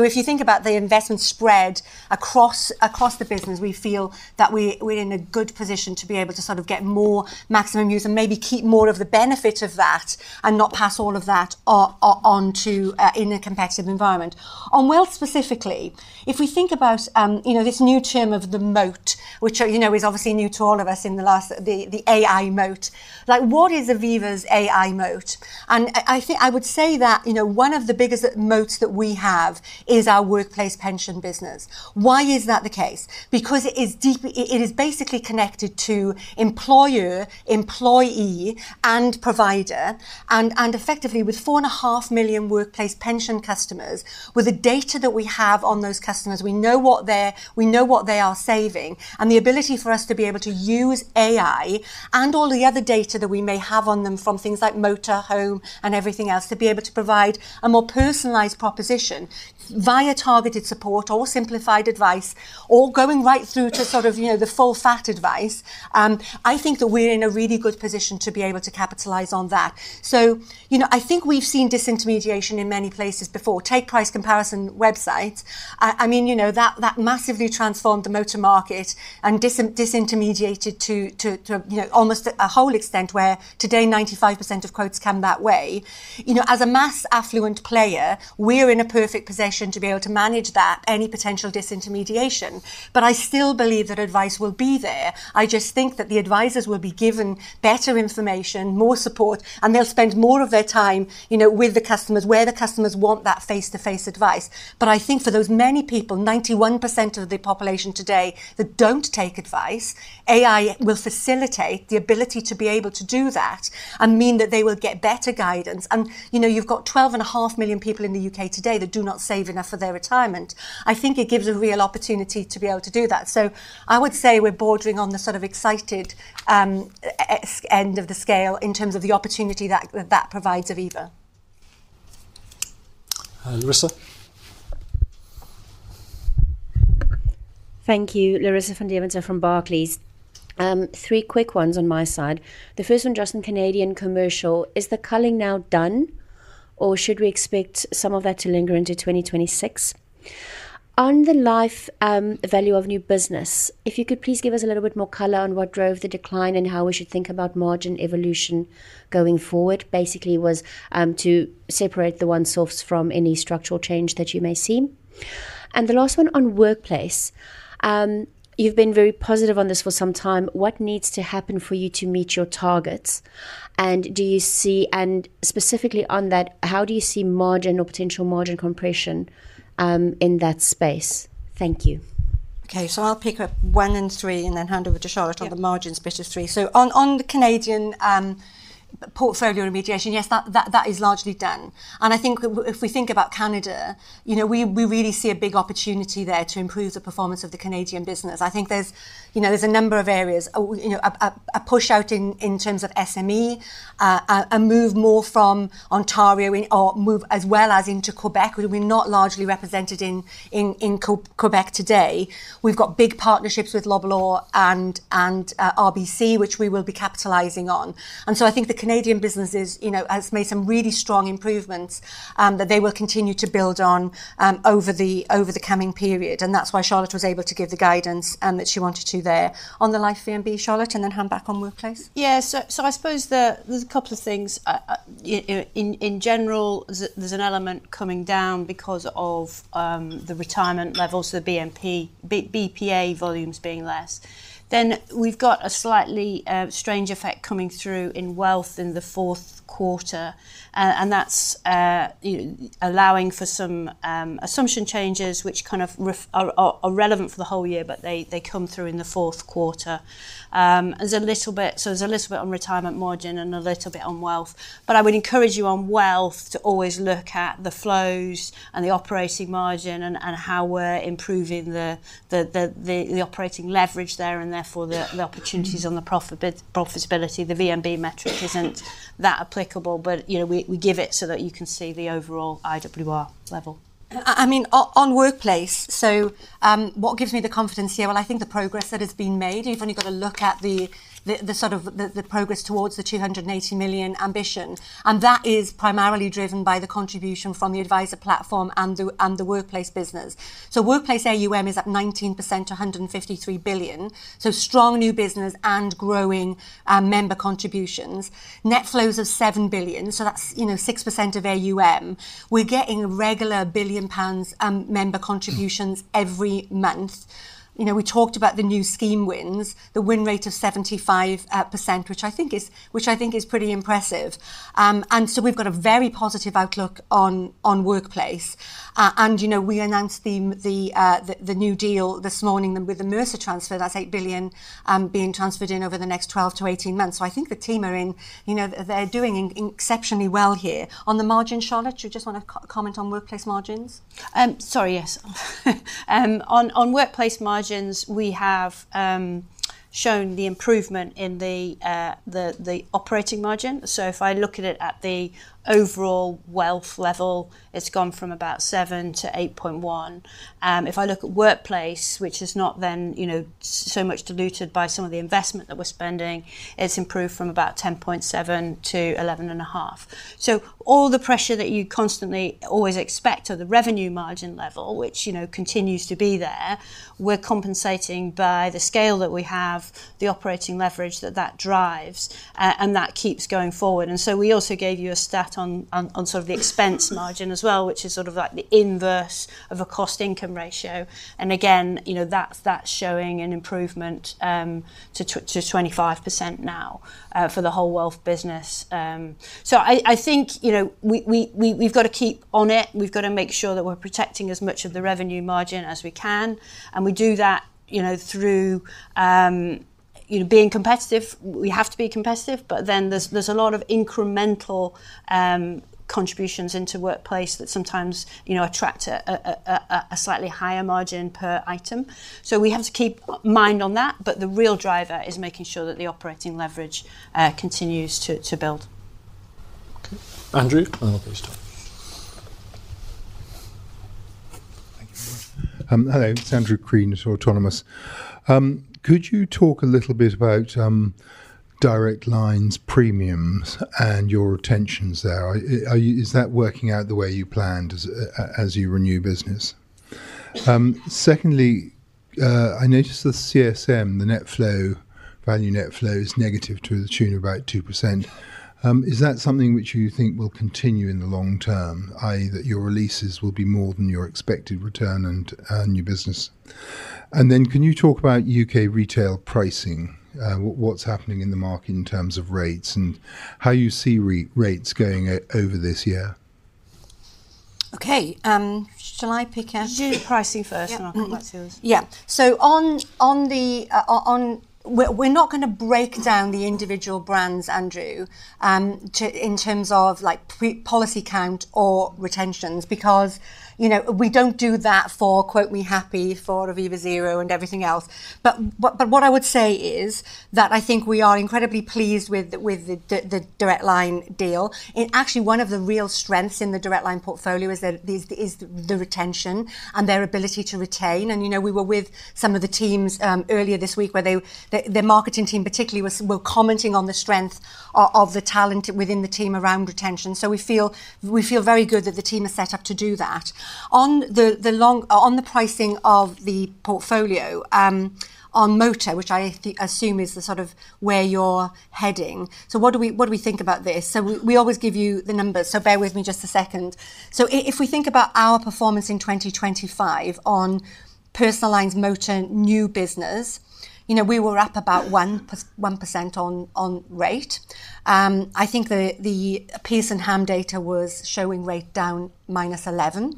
If you think about the investment spread across the business, we feel that we're in a good position to be able to sort of get more maximum use and maybe keep more of the benefit of that and not pass all of that on to in a competitive environment. On wealth specifically, if we think about, you know, this new term of the moat, which, you know, is obviously new to all of us, the AI moat. Like what is Aviva's AI moat? I would say that, you know, one of the biggest moats that we have is our workplace pension business. Why is that the case? Because it is, it is basically connected to employer, employee, and provider and effectively with 4.5 million workplace pension customers, with the data that we have on those customers, we know what they are saving and the ability for us to be able to use AI and all the other data that we may have on them from things like motor, home, and everything else, to be able to provide a more personalized proposition via targeted support or simplified advice or going right through to sort of, you know, the full fat advice. I think that we're in a really good position to be able to capitalize on that. You know, I think we've seen disintermediation in many places before. Take Price Comparison Websites. I mean, you know, that massively transformed the motor market and disintermediated to, you know, almost a whole extent where today 95% of quotes come that way. You know, as a mass affluent player, we're in a perfect position to be able to manage that, any potential disintermediation. I still believe that advice will be there. I just think that the advisors will be given better information, more support, and they'll spend more of their time, you know, with the customers where the customers want that face-to-face advice. I think for those many people, 91% of the population today that don't take advice, AI will facilitate the ability to be able to do that and mean that they will get better guidance. You know, you've got 12.5 million people in the U.K. today that do not save enough for their retirement. I think it gives a real opportunity to be able to do that. I would say we're bordering on the sort of excited end of the scale in terms of the opportunity that provides Aviva. Larissa. Thank you. Larissa van Deventer from Barclays. Three quick ones on my side. The first one, just on Canadian Commercial. Is the culling now done, or should we expect some of that to linger into 2026? On the life, value of new business, if you could please give us a little bit more color on what drove the decline and how we should think about margin evolution going forward. Basically it was to separate the one source from any structural change that you may see. The last one on workplace. You've been very positive on this for some time. What needs to happen for you to meet your targets? Do you see... Specifically on that, how do you see margin or potential margin compression in that space? Thank you. Okay. I'll pick up one and three and then hand over to Charlotte on the margins bit of three. On the Canadian portfolio remediation, yes, that is largely done. I think if we think about Canada, you know, we really see a big opportunity there to improve the performance of the Canadian business. I think there's, you know, there's a number of areas. You know, a push out in terms of SME, a move more from Ontario or move as well as into Quebec. We're not largely represented in Quebec today. We've got big partnerships with Loblaw and RBC, which we will be capitalizing on. I think the Canadian business is, you know, has made some really strong improvements, that they will continue to build on, over the, over the coming period. That's why Charlotte was able to give the guidance, that she wanted to there. On the life VNB, Charlotte, then hand back on workplace. Yeah. I suppose there's a couple of things. In general, there's an element coming down because of the retirement levels, so the BPA volumes being less. We've got a slightly strange effect coming through in wealth in the fourth quarter. That's allowing for some assumption changes which are relevant for the whole year, but they come through in the fourth quarter. There's a little bit on retirement margin and a little bit on wealth. I would encourage you on wealth to always look at the flows and the operating margin and how we're improving the operating leverage there and therefore the opportunities on the profitability. The VNB metric isn't that applicable. You know, we give it so that you can see the overall IWR level. I mean, on workplace, what gives me the confidence here? Well, I think the progress that has been made, you've only got to look at the sort of the progress towards the 280 million ambition. That is primarily driven by the contribution from the advisor platform and the workplace business. Workplace AUM is up 19% to 153 billion. Strong new business and growing member contributions. Net flows of 7 billion. That's, you know, 6% of AUM. We're getting regular 1 billion pounds member contributions every month. You know, we talked about the new scheme wins, the win rate of 75%, which I think is pretty impressive. We've got a very positive outlook on workplace. You know, we announced the new deal this morning with the Mercer transfer. That's 8 billion being transferred in over the next 12-18 months. I think the team are you know, they're doing exceptionally well here. On the margin, Charlotte, do you just wanna comment on workplace margins? Sorry, yes. On workplace margins, we have shown the improvement in the operating margin. If I look at it at the overall wealth level, it's gone from about 7%-8.1%. If I look at workplace, which is not then, you know, so much diluted by some of the investment that we're spending, it's improved from about 10.7%-11.5%. All the pressure that you constantly always expect at the revenue margin level, which, you know, continues to be there, we're compensating by the scale that we have, the operating leverage that drives. That keeps going forward. We also gave you a stat on sort of the expense margin as well, which is sort of like the inverse of a cost-income ratio. Again, you know, that's showing an improvement, to 25% now, for the whole wealth business. I think, you know, we've gotta keep on it. We've gotta make sure that we're protecting as much of the revenue margin as we can. We do that, you know, through, you know, being competitive. We have to be competitive. There's a lot of incremental contributions into workplace that sometimes, you know, attract a slightly higher margin per item. We have to keep mind on that. The real driver is making sure that the operating leverage continues to build. Okay. Andrew. Oh, please start. Thank you. Hello. It's Andrew Crean at Autonomous. Could you talk a little bit about Direct Line's premiums and your retentions there? Is that working out the way you planned as you renew business? Secondly, I noticed the CSM, the net flow, value net flow is negative to the tune of about 2%. Is that something which you think will continue in the long term, i.e., that your releases will be more than your expected return and new business? Can you talk about U.K. retail pricing? What's happening in the market in terms of rates and how you see rates going over this year? Okay. Shall I pick it? Do pricing first. Yeah. Mm-hmm. I'll come back to yours. Yeah. We're not gonna break down the individual brands, Andrew, in terms of like policy count or retentions because, you know, we don't do that for Quote Me Happy, for Aviva Zero and everything else. What I would say is that I think we are incredibly pleased with the Direct Line deal. Actually one of the real strengths in the Direct Line portfolio is the retention and their ability to retain. You know, we were with some of the teams earlier this week where the marketing team particularly were commenting on the strength of the talent within the team around retention. We feel very good that the team is set up to do that. On the long. On the pricing of the portfolio, on motor, which I assume is the sort of where you're heading. What do we think about this? We always give you the numbers, so bear with me just a second. If we think about our performance in 2025 on Personal Lines motor new business, you know, we were up about 1% on rate. I think the Pearson Ham data was showing rate down -11%.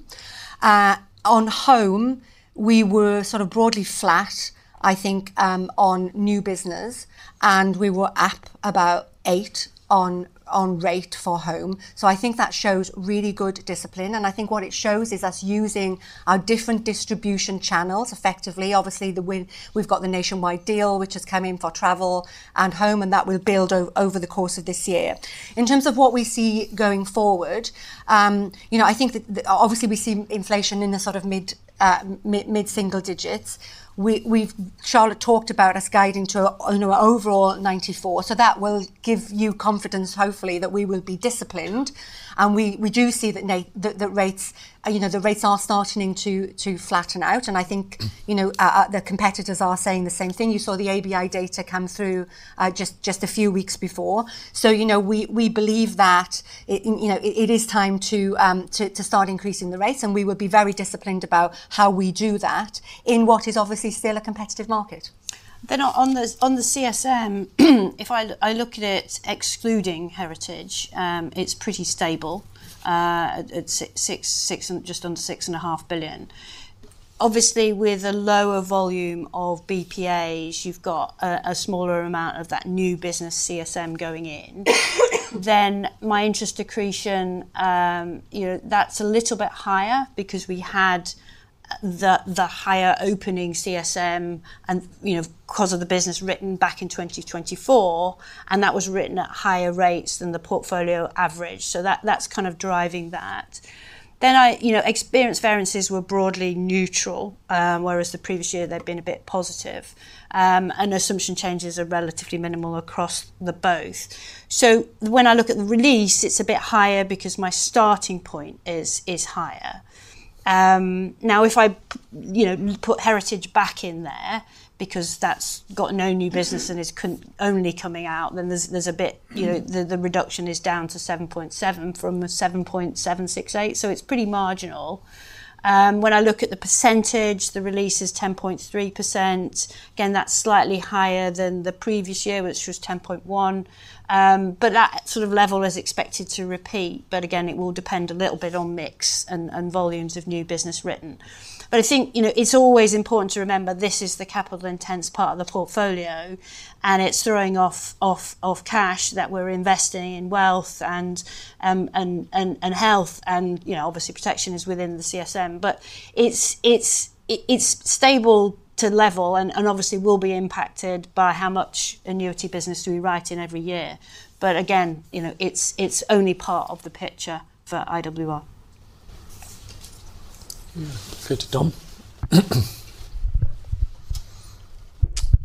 On home, we were sort of broadly flat, I think, on new business, and we were up about 8% on rate for home. I think that shows really good discipline. I think what it shows is us using our different distribution channels effectively. Obviously, we've got the Nationwide deal, which has come in for travel and home, and that will build over the course of this year. In terms of what we see going forward, you know, I think that, obviously we see inflation in the sort of mid single digits. We've Charlotte talked about us guiding to, you know, overall 94, so that will give you confidence, hopefully, that we will be disciplined. We do see that rates, you know, the rates are starting to flatten out. I think, you know, the competitors are saying the same thing. You saw the ABI data come through just a few weeks before. You know, we believe that it is time to start increasing the rates, and we will be very disciplined about how we do that in what is obviously still a competitive market. On the CSM, if I look at it excluding heritage, it's pretty stable. At just under 6.5 billion. Obviously, with a lower volume of BPAs, you've got a smaller amount of that new business CSM going in. My interest accretion, you know, that's a little bit higher because we had the higher opening CSM and, you know, 'cause of the business written back in 2024, and that was written at higher rates than the portfolio average. That's kind of driving that. You know, experience variances were broadly neutral, whereas the previous year they'd been a bit positive. Assumption changes are relatively minimal across the both. When I look at the release, it's a bit higher because my starting point is higher. Now if I, you know, put heritage back in there because that's got no new business and is only coming out, then there's a bit, you know, the reduction is down to 7.7 from a 7.768, so it's pretty marginal. When I look at the percentage, the release is 10.3%. That's slightly higher than the previous year, which was 10.1. That sort of level is expected to repeat. It will depend a little bit on mix and volumes of new business written. I think, you know, it's always important to remember this is the capital intense part of the portfolio, and it's throwing off cash that we're investing in wealth and health and, you know, obviously protection is within the CSM. It's stable to level and obviously will be impacted by how much annuity business do we write in every year. Again, you know, it's only part of the picture for IWR. Yeah. Go to Dom.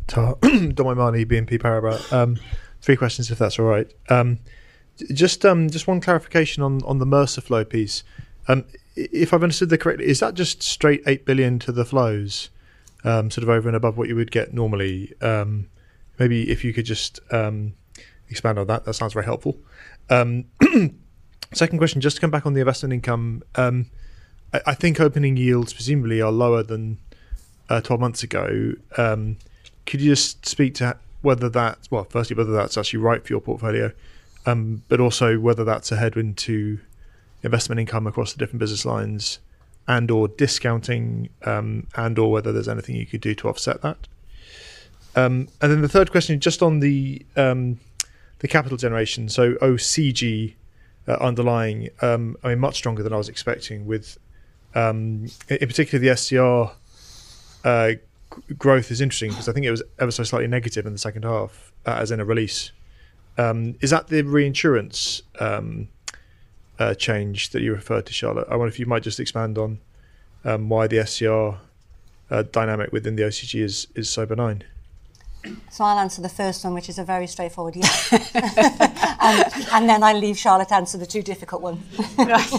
Ta. Dominic O'Mahony, BNP Paribas. Three questions if that's all right. Just one clarification on the Mercer flow piece. If I've understood that correctly, is that just straight 8 billion to the flows, sort of over and above what you would get normally? Maybe if you could just expand on that sounds very helpful. Second question, just to come back on the investment income. I think opening yields presumably are lower than 12 months ago. Could you just speak to whether that's actually right for your portfolio, but also whether that's a headwind to investment income across the different business lines and/or discounting, and/or whether there's anything you could do to offset that. The third question just on the capital generation, so OCG, underlying, I mean, much stronger than I was expecting with in particular the SCR growth is interesting 'cause I think it was ever so slightly negative in the second half, as in a release. Is that the reinsurance change that you referred to, Charlotte? I wonder if you might just expand on why the SCR dynamic within the OCG is so benign. I'll answer the first one, which is a very straightforward yes. I leave Charlotte to answer the two difficult one. Right.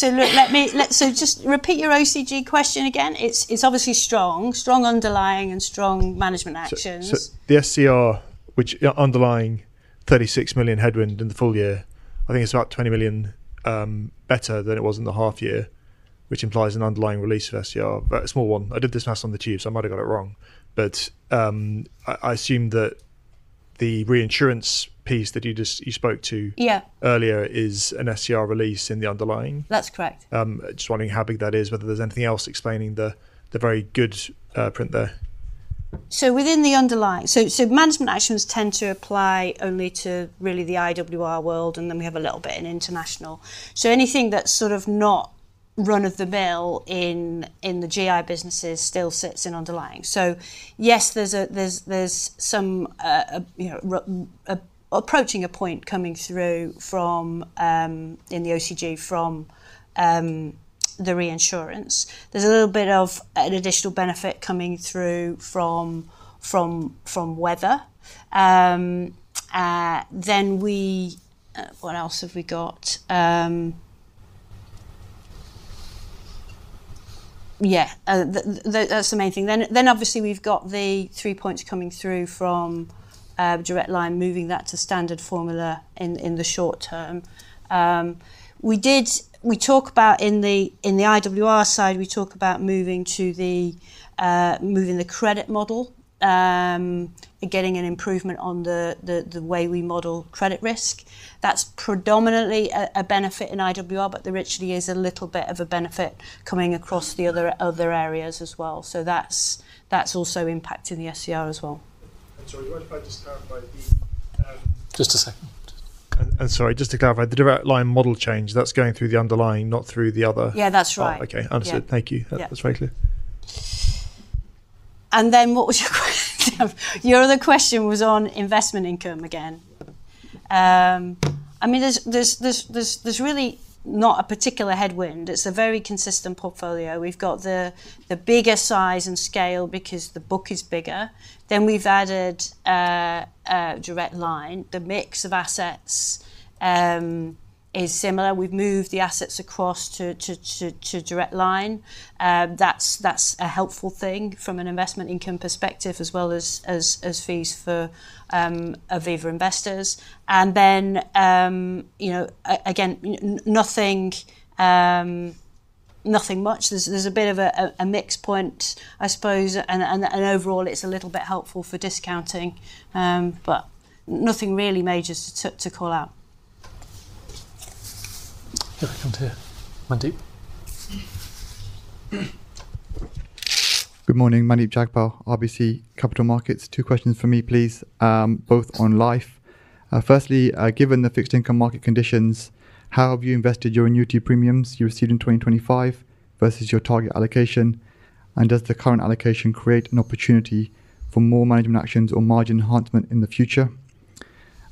Let me so just repeat your OCG question again. It's obviously strong. Strong underlying and strong management actions. The SCR which, yeah, underlying 36 million headwind in the full year. I think it's about 20 million better than it was in the half year, which implies an underlying release of SCR, but a small one. I did this math on the tube, so I might have got it wrong. I assume the reinsurance piece that you just spoke to. Yeah Earlier is an SCR release in the underlying? That's correct. Just wondering how big that is, whether there's anything else explaining the very good print there? Within the underlying... management actions tend to apply only to really the IWR world, and then we have a little bit in international. Anything that's sort of not run-of-the-mill in the GI businesses still sits in underlying. Yes, there's some, you know, approaching a point coming through from in the OCG from the reinsurance. There's a little bit of an additional benefit coming through from weather. Then we... What else have we got? Yeah. That's the main thing. Then obviously we've got the 3 points coming through from Direct Line moving that to standard formula in the short term. We did... We talk about in the IWR side, we talk about moving the credit model, getting an improvement on the way we model credit risk. That's predominantly a benefit in IWR, but there actually is a little bit of a benefit coming across the other areas as well. That's also impacting the SCR as well. Sorry, what if I just clarify the. Just a second. Sorry, just to clarify, the Direct Line model change, that's going through the underlying, not through the other? Yeah, that's right. Oh, okay. Understood. Yeah. Thank you. Yeah. That's very clear. What was your other question was on investment income again. I mean, there's really not a particular headwind. It's a very consistent portfolio. We've got the bigger size and scale because the book is bigger. We've added Direct Line. The mix of assets is similar. We've moved the assets across to Direct Line. That's a helpful thing from an investment income perspective as well as fees for Aviva Investors. you know, again, nothing much. There's a bit of a mix point, I suppose. Overall it's a little bit helpful for discounting, but nothing really major to call out. Yeah, come to here. Mandeep. Good morning. Mandeep Jagpal, RBC Capital Markets. Two questions for me, please, both on life. Firstly, given the fixed income market conditions, how have you invested your annuity premiums you received in 2025 versus your target allocation? Does the current allocation create an opportunity for more management actions or margin enhancement in the future?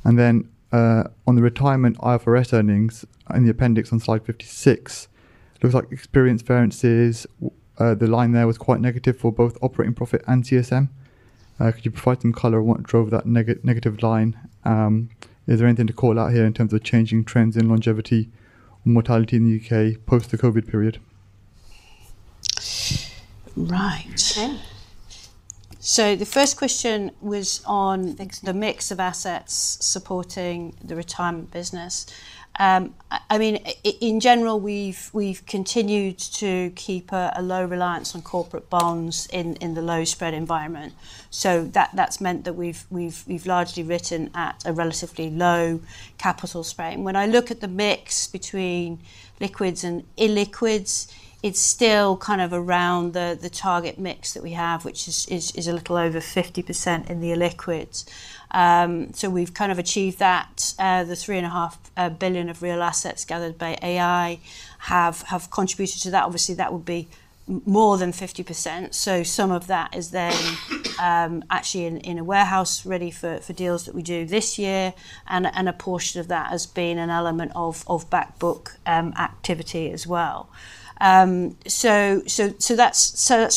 On the retirement IFRS earnings in the appendix on slide 56, it looks like experience variances, the line there was quite negative for both operating profit and CSM. Could you provide some color on what drove that negative line? Is there anything to call out here in terms of changing trends in longevity or mortality in the U.K. post the Covid period? Right. The first question was on the mix of assets supporting the retirement business. I mean, in general, we've continued to keep a low reliance on corporate bonds in the low spread environment. That's meant that we've largely written at a relatively low capital spread. When I look at the mix between liquids and illiquids, it's still kind of around the target mix that we have, which is a little over 50% in the illiquids. We've kind of achieved that. The 3.5 billion of real assets gathered by AI have contributed to that. Obviously, that would be more than 50%. Some of that is then actually in in a warehouse ready for for deals that we do this year and a portion of that has been an element of back book activity as well. That's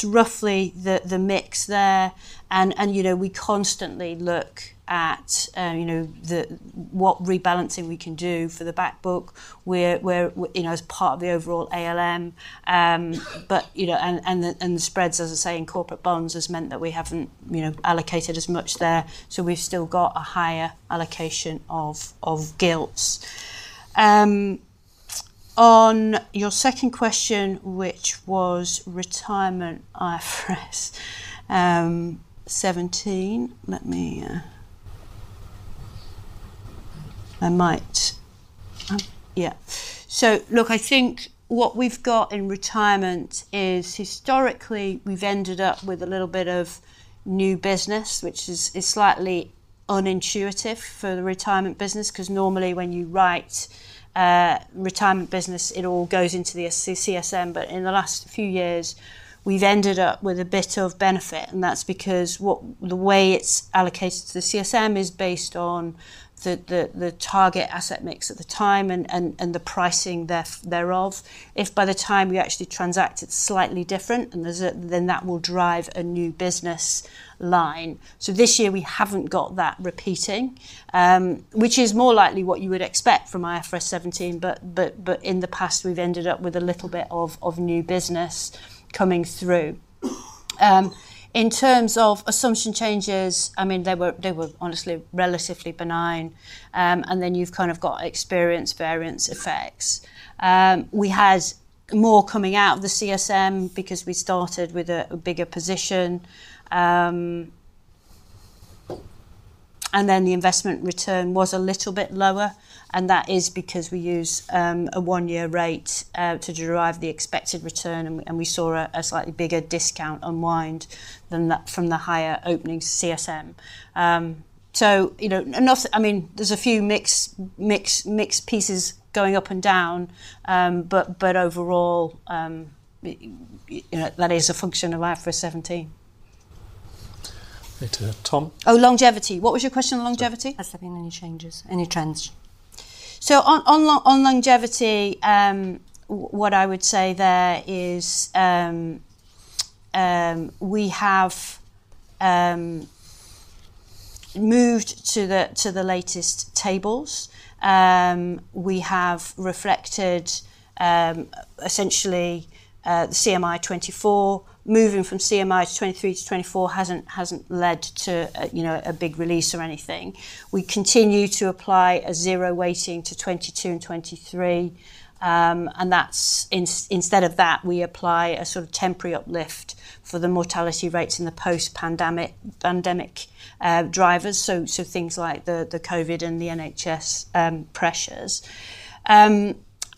roughly the mix there. And, you know, we constantly look at, you know, the what rebalancing we can do for the back book. We're, you know, as part of the overall ALM. You know... And the spreads, as I say, in corporate bonds has meant that we haven't, you know, allocated as much there. We've still got a higher allocation of gilts. On your second question, which was retirement IFRS 17. Let me... I might... yeah. Look, I think what we've got in retirement is historically we've ended up with a little bit of new business, which is slightly unintuitive for the retirement business 'cause normally when you write retirement business, it all goes into the CSM. In the last few years, we've ended up with a bit of benefit, and that's because what the way it's allocated to the CSM is based on the target asset mix at the time and the pricing thereof. If by the time we actually transact it's slightly different, that will drive a new business line. This year we haven't got that repeating, which is more likely what you would expect from IFRS 17, but in the past, we've ended up with a little bit of new business coming through. In terms of assumption changes, I mean, they were, they were honestly relatively benign. Then you've kind of got experience variance effects. We had more coming out of the CSM because we started with a bigger position. Then the investment return was a little bit lower, and that is because we use a one-year rate to derive the expected return and we saw a slightly bigger discount unwind than that from the higher opening CSM. You know, and also... I mean, there's a few mixed pieces going up and down. But overall, you know, that is a function of IFRS 17. Okay. Tom. Longevity. What was your question on longevity? Has there been any changes, any trends? On longevity, what I would say there is, we have moved to the latest tables. We have reflected essentially the CMI 24. Moving from CMI 23-24 hasn't led to a, you know, a big release or anything. We continue to apply a zero weighting to 2022 and 2023, and instead of that, we apply a sort of temporary uplift for the mortality rates in the post-pandemic drivers, so things like the COVID and the NHS pressures.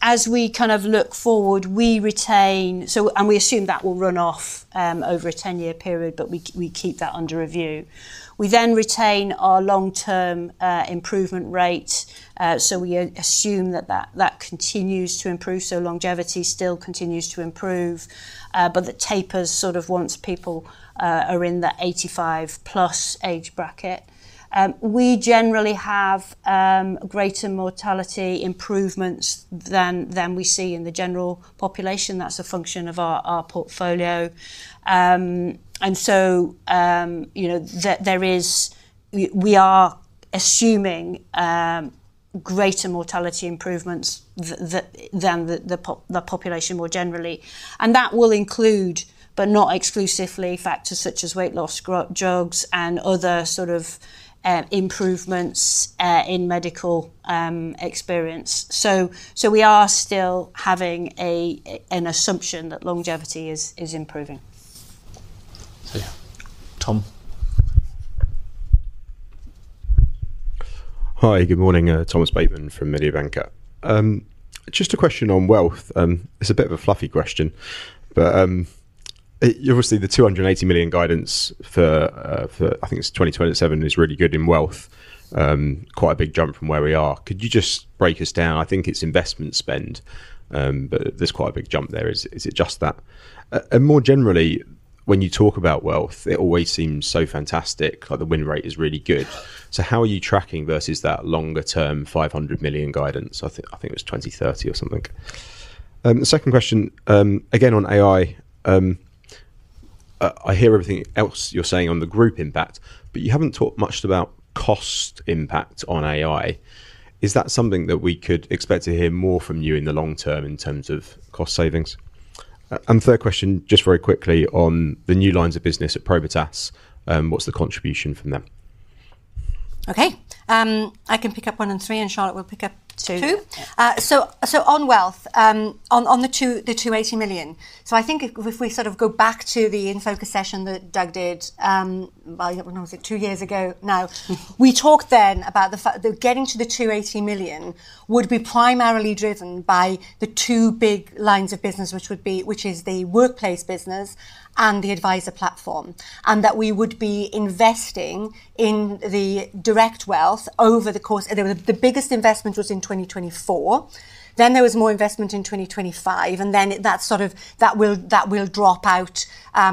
As we kind of look forward, we assume that will run off over a 10-year period, but we keep that under review. We retain our long-term improvement rate. We assume that continues to improve, so longevity still continues to improve, but that tapers sort of once people are in the 85+ age bracket. We generally have greater mortality improvements than we see in the general population. That's a function of our portfolio. You know, we are assuming greater mortality improvements than the population more generally. And that will include, but not exclusively, factors such as weight loss drugs and other sort of improvements in medical experience. We are still having an assumption that longevity is improving. Yeah. Tom. Hi, good morning. Thomas Bateman from Mediobanca. Just a question on wealth. It's a bit of a fluffy question, but obviously, the 280 million guidance for for I think it's 2027 is really good in wealth. Quite a big jump from where we are. Could you just break us down? I think it's investment spend, but there's quite a big jump there. Is it just that? More generally, when you talk about wealth, it always seems so fantastic. Like the win rate is really good. How are you tracking versus that longer-term 500 million guidance? I think it was 2030 or something. The second question, again on AI. I hear everything else you're saying on the group impact, but you haven't talked much about cost impact on AI. Is that something that we could expect to hear more from you in the long term in terms of cost savings? Third question, just very quickly on the new lines of business at Probitas, what's the contribution from them? Okay. I can pick up one and three. Charlotte will pick up two. Two. On wealth, on the two, the 280 million. I think if we sort of go back to the In Focus session that Doug did, well, when was it? Two years ago now. We talked then about the getting to the 280 million would be primarily driven by the two big lines of business, which is the workplace business and the advisor platform. That we would be investing in the Direct Wealth over the course. The biggest investment was in 2024. There was more investment in 2025. That will drop out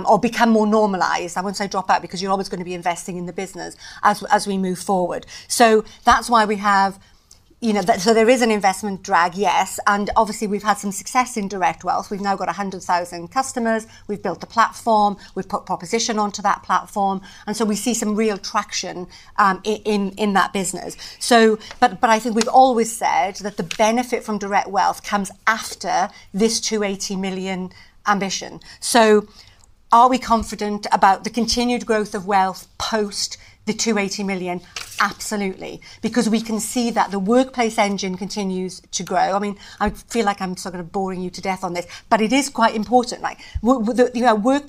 or become more normalized. I won't say drop out because you're always gonna be investing in the business as we move forward. That's why we have, you know. There is an investment drag, yes. Obviously, we've had some success in Direct Wealth. We've now got 100,000 customers. We've built a platform. We've put proposition onto that platform, we see some real traction in that business. But I think we've always said that the benefit from Direct Wealth comes after this 280 million ambition. Are we confident about the continued growth of wealth post the 280 million? Absolutely. We can see that the workplace engine continues to grow. I mean, I feel like I'm sort of boring you to death on this, but it is quite important. You know,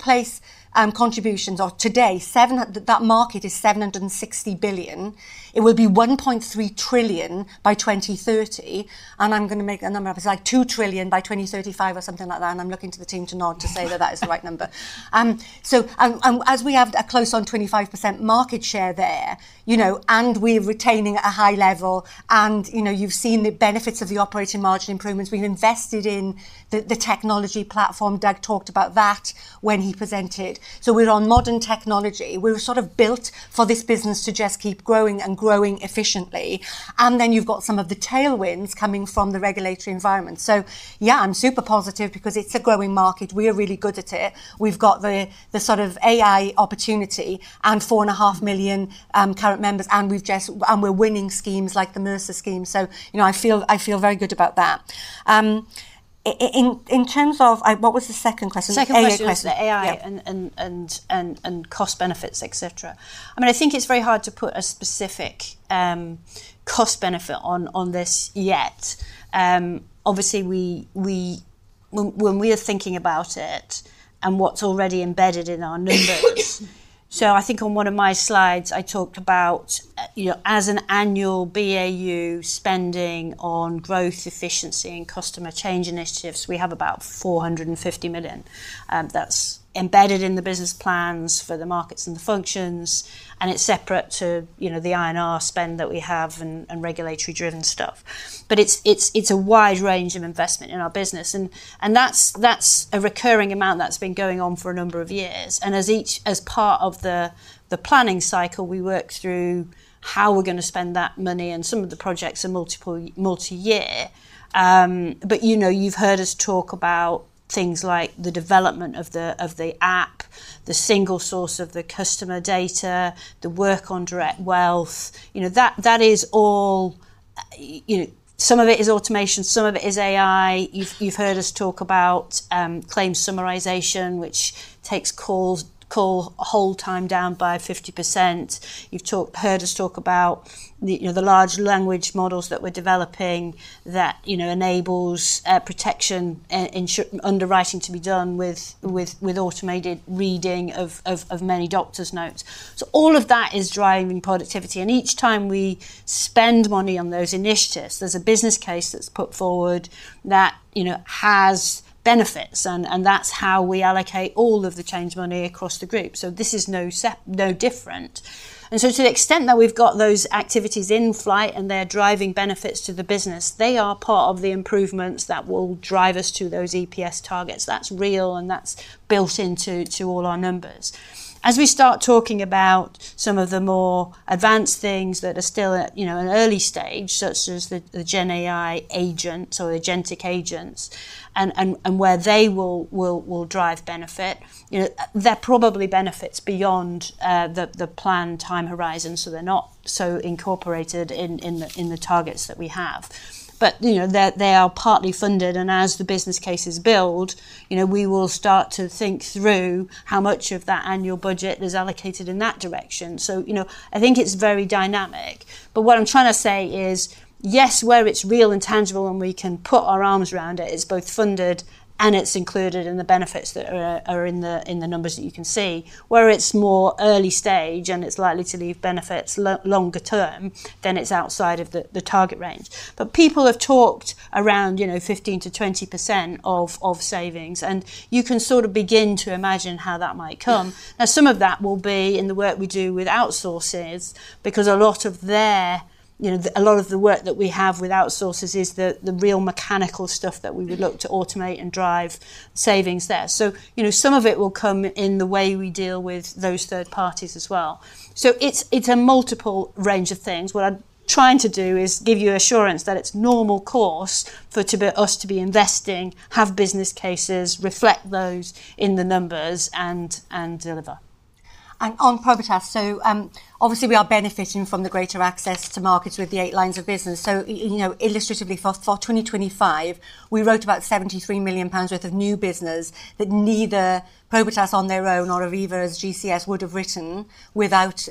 that market is 760 billion. It will be 1.3 trillion by 2030, and I'm gonna make a number up. It's like 2 trillion by 2035 or something like that, and I'm looking to the team to nod to say that that is the right number. As we have a close on 25% market share there, you know, and we're retaining a high level and, you know, you've seen the benefits of the operating margin improvements. We've invested in the technology platform. Doug talked about that when he presented. We're on modern technology. We're sort of built for this business to just keep growing and growing efficiently, and then you've got some of the tailwinds coming from the regulatory environment. Yeah, I'm super positive because it's a growing market. We are really good at it. We've got the sort of AI opportunity and 4.5 million current members, and we're winning schemes like the Mercer scheme. You know, I feel very good about that. In terms of... What was the second question? The AI question. Second question was the AI and cost benefits, et cetera. I mean, I think it's very hard to put a specific cost benefit on this yet. Obviously when we are thinking about it and what's already embedded in our numbers. I think on one of my slides I talked about, you know, as an annual BAU spending on growth, efficiency and customer change initiatives, we have about 450 million. That's embedded in the business plans for the markets and the functions, and it's separate to, you know, the I&R spend that we have and regulatory driven stuff. It's a wide range of investment in our business and that's a recurring amount that's been going on for a number of years. As part of the planning cycle, we work through how we're gonna spend that money, and some of the projects are multi-year. You know, you've heard us talk about things like the development of the app, the single source of the customer data, the work on Direct Wealth. You know, that is all, you know. Some of it is automation, some of it is AI. You've heard us talk about claim summarization, which takes calls, call hold time down by 50%. You've heard us talk about the, you know, the large language models that we're developing that, you know, enables protection under writing to be done with automated reading of many doctors' notes. All of that is driving productivity. Each time we spend money on those initiatives, there's a business case that's put forward that, you know, has benefits and that's how we allocate all of the change money across the group. This is no different. To the extent that we've got those activities in flight and they're driving benefits to the business, they are part of the improvements that will drive us to those EPS targets. That's real and that's built into all our numbers. As we start talking about some of the more advanced things that are still at, you know, an early stage, such as the GenAI agent or agentic agents and where they will drive benefit, you know, they're probably benefits beyond the planned time horizon, so they're not so incorporated in the targets that we have. You know, they are partly funded, and as the business cases build, you know, we will start to think through how much of that annual budget is allocated in that direction. You know, I think it's very dynamic. What I'm trying to say is, yes, where it's real and tangible and we can put our arms around it's both funded and it's included in the benefits that are in the numbers that you can see. Where it's more early stage and it's likely to leave benefits longer term, then it's outside of the target range. People have talked around, you know, 15%-20% of savings, and you can sort of begin to imagine how that might come. Some of that will be in the work we do with outsourcers, because a lot of their, you know, a lot of the work that we have with outsourcers is the real mechanical stuff that we would look to automate and drive savings there. You know, some of it will come in the way we deal with those third parties as well. It's a multiple range of things. What I'm trying to do is give you assurance that it's normal course for us to be investing, have business cases, reflect those in the numbers, and deliver. On Probitas. Obviously we are benefiting from the greater access to markets with the eight lines of business. You know, illustratively for 2025, we wrote about 73 million pounds worth of new business that neither Probitas on their own nor Aviva as GCS would have written without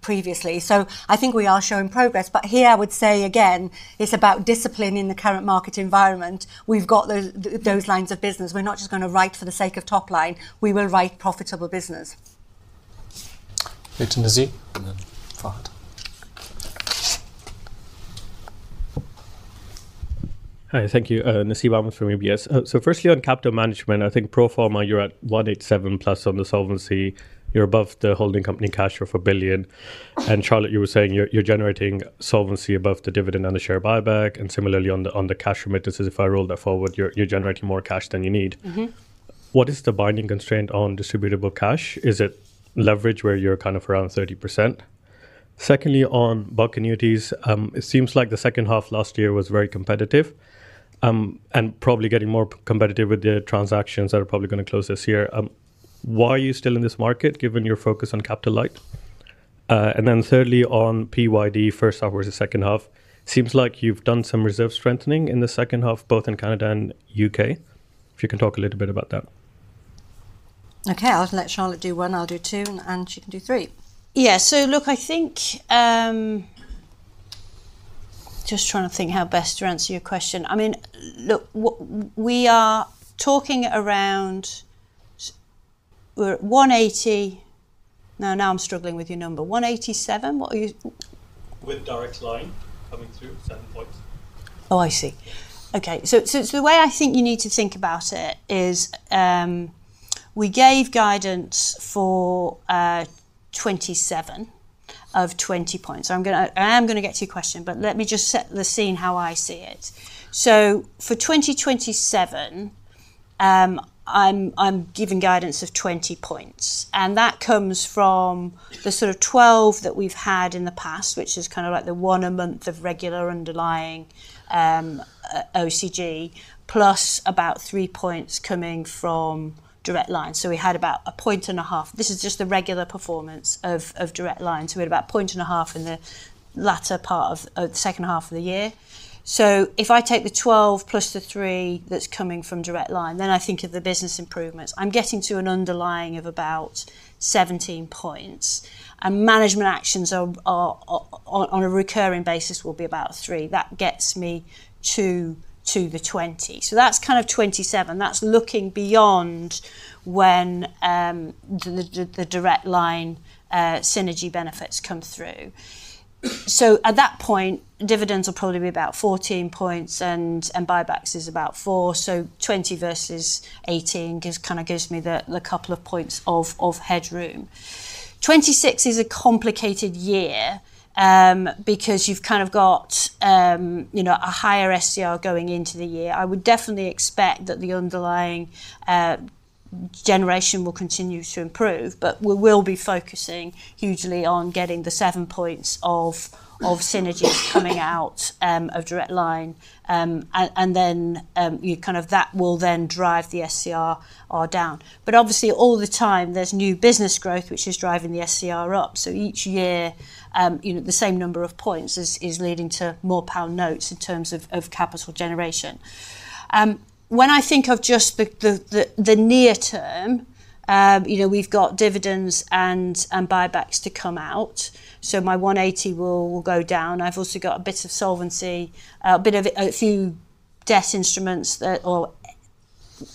previously. I think we are showing progress. Here I would say, again, it's about discipline in the current market environment. We've got those lines of business. We're not just gonna write for the sake of top line. We will write profitable business. Over to Nasib and then Fahad. Hi. Thank you. Nasib Ahmed from UBS. Firstly on capital management, I think pro forma, you're at 187+ on the solvency. You're above the holding company cash flow of 1 billion. Charlotte, you were saying you're generating solvency above the dividend and the share buyback. Similarly, on the cash remit, this is if I roll that forward, you're generating more cash than you need. Mm-hmm. What is the binding constraint on distributable cash? Is it leverage where you're kind of around 30%? Secondly, on bulk annuities, it seems like the second half last year was very competitive, and probably going to close this year. Why are you still in this market given your focus on capital light? Thirdly, on PYD first half versus second half, seems like you've done some reserve strengthening in the second half, both in Canada and U.K. If you can talk a little bit about that. Okay. I'll let Charlotte do one, I'll do two, and she can do three. Yeah. Look, I think, just trying to think how best to answer your question. I mean, look, we are talking around we're at 180... Now I'm struggling with your number. 187? What are you? With Direct Line coming through, 7 points. Oh, I see. Yes. Okay. The way I think you need to think about it is, we gave guidance for 27 of 20 points. I am gonna get to your question, but let me just set the scene how I see it. For 2027, I'm giving guidance of 20 points, and that comes from the sort of 12 that we've had in the past, which is kind of like the 1 a month of regular underlying OCG, plus about 3 points coming from Direct Line. We had about a point and a half. This is just the regular performance of Direct Line. We had about a point and a half in the latter part of the second half of the year. If I take the 12 plus the three that's coming from Direct Line, I think of the business improvements. I'm getting to an underlying of about 17 points. Management actions on a recurring basis will be about three. That gets me to the 20. That's kind of 27. That's looking beyond when the Direct Line synergy benefits come through. At that point, dividends will probably be about 14 points and buybacks is about four, so 20 versus 18 kinda gives me the couple of points of headroom. 26 is a complicated year, because you've kind of got, you know, a higher SCR going into the year. I would definitely expect that the underlying generation will continue to improve, but we will be focusing hugely on getting the 7 points of synergy coming out of Direct Line. And then, you know, kind of that will then drive the SCR down. Obviously all the time there's new business growth which is driving the SCR up. Each year, you know, the same number of points is leading to more pound notes in terms of capital generation. When I think of just the near term, you know, we've got dividends and buybacks to come out, so my 180 will go down. I've also got a bit of solvency, a bit of a few debt instruments that are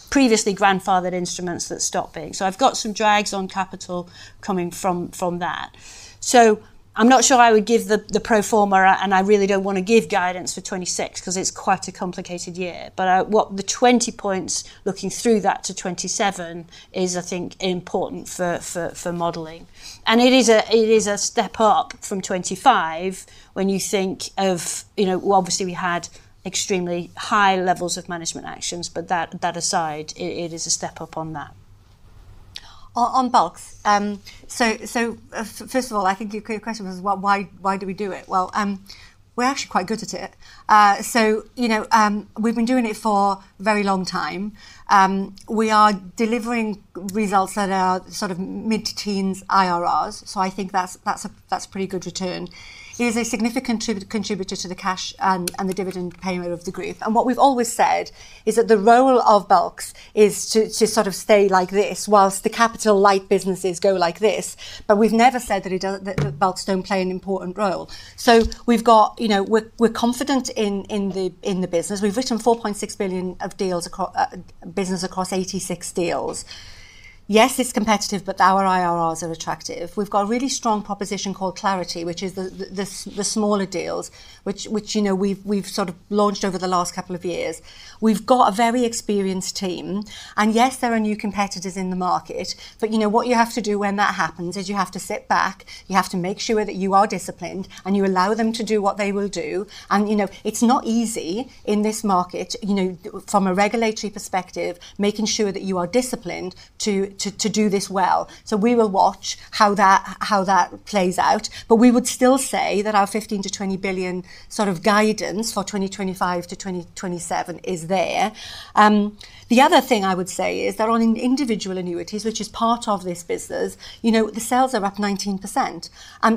previously grandfathered instruments that stop being. I've got some drags on capital coming from that. I'm not sure I would give the pro forma, and I really don't wanna give guidance for 2026 'cause it's quite a complicated year. What the 20 points looking through that to 2027 is, I think, important for modeling. It is a step up from 25 when you think of, you know, obviously we had extremely high levels of management actions, but that aside, it is a step up on that. On bulks. First of all, I think your question was, why do we do it? Well, we're actually quite good at it. You know, we've been doing it for a very long time. We are delivering results that are sort of mid-teens IRRs, so I think that's a pretty good return. It is a significant contributor to the cash and the dividend payment of the group. What we've always said is that the role of bulks is to sort of stay like this whilst the capital light businesses go like this. We've never said that bulks don't play an important role. We've got, you know, we're confident in the business. We've written 4.6 billion of deals business across 86 deals. It's competitive, but our IRRs are attractive. We've got a really strong proposition called Clarity, which is the smaller deals which, you know, we've sort of launched over the last couple of years. We've got a very experienced team. Yes, there are new competitors in the market, but, you know, what you have to do when that happens is you have to sit back, you have to make sure that you are disciplined, you allow them to do what they will do. You know, it's not easy in this market, you know, from a regulatory perspective, making sure that you are disciplined to do this well. We will watch how that plays out. We would still say that our 15 billion-20 billion sort of guidance for 2025-2027 is there. The other thing I would say is that on individual annuities, which is part of this business, you know, the sales are up 19%.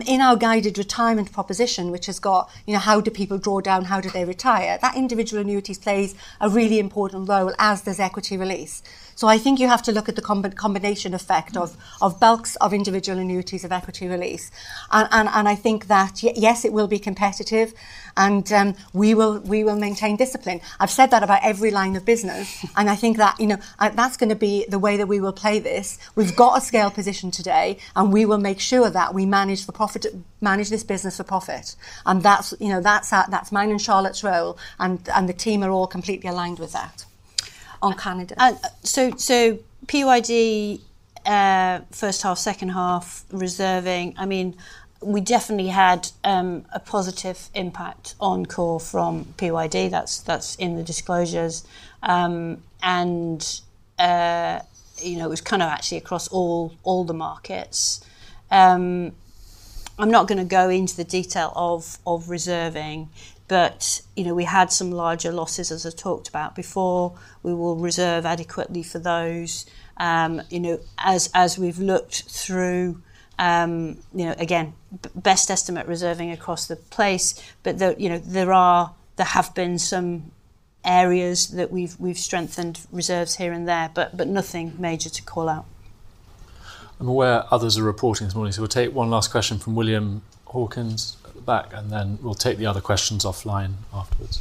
In our guided retirement proposition, which has got, you know, how do people draw down, how do they retire, that individual annuities plays a really important role as does equity release. I think you have to look at the combination effect of bulks, of individual annuities, of equity release. I think that yes, it will be competitive and we will maintain discipline. I've said that about every line of business, I think that, you know, that's gonna be the way that we will play this. We've got a scale position today, we will make sure that we manage for profit, manage this business for profit. That's, you know, that's mine and Charlotte's role, and the team are all completely aligned with that. On Canada. PYD, first half, second half reserving, I mean, we definitely had a positive impact on core from PYD. That's in the disclosures. You know, it was kind of actually across all the markets. I'm not gonna go into the detail of reserving, but, you know, we had some larger losses as I talked about before. We will reserve adequately for those. You know, as we've looked through, you know, again, best estimate reserving across the place. You know, there are, there have been some areas that we've strengthened reserves here and there, but nothing major to call out. I'm aware others are reporting this morning. We'll take one last question from William Hawkins at the back. We'll take the other questions offline afterwards.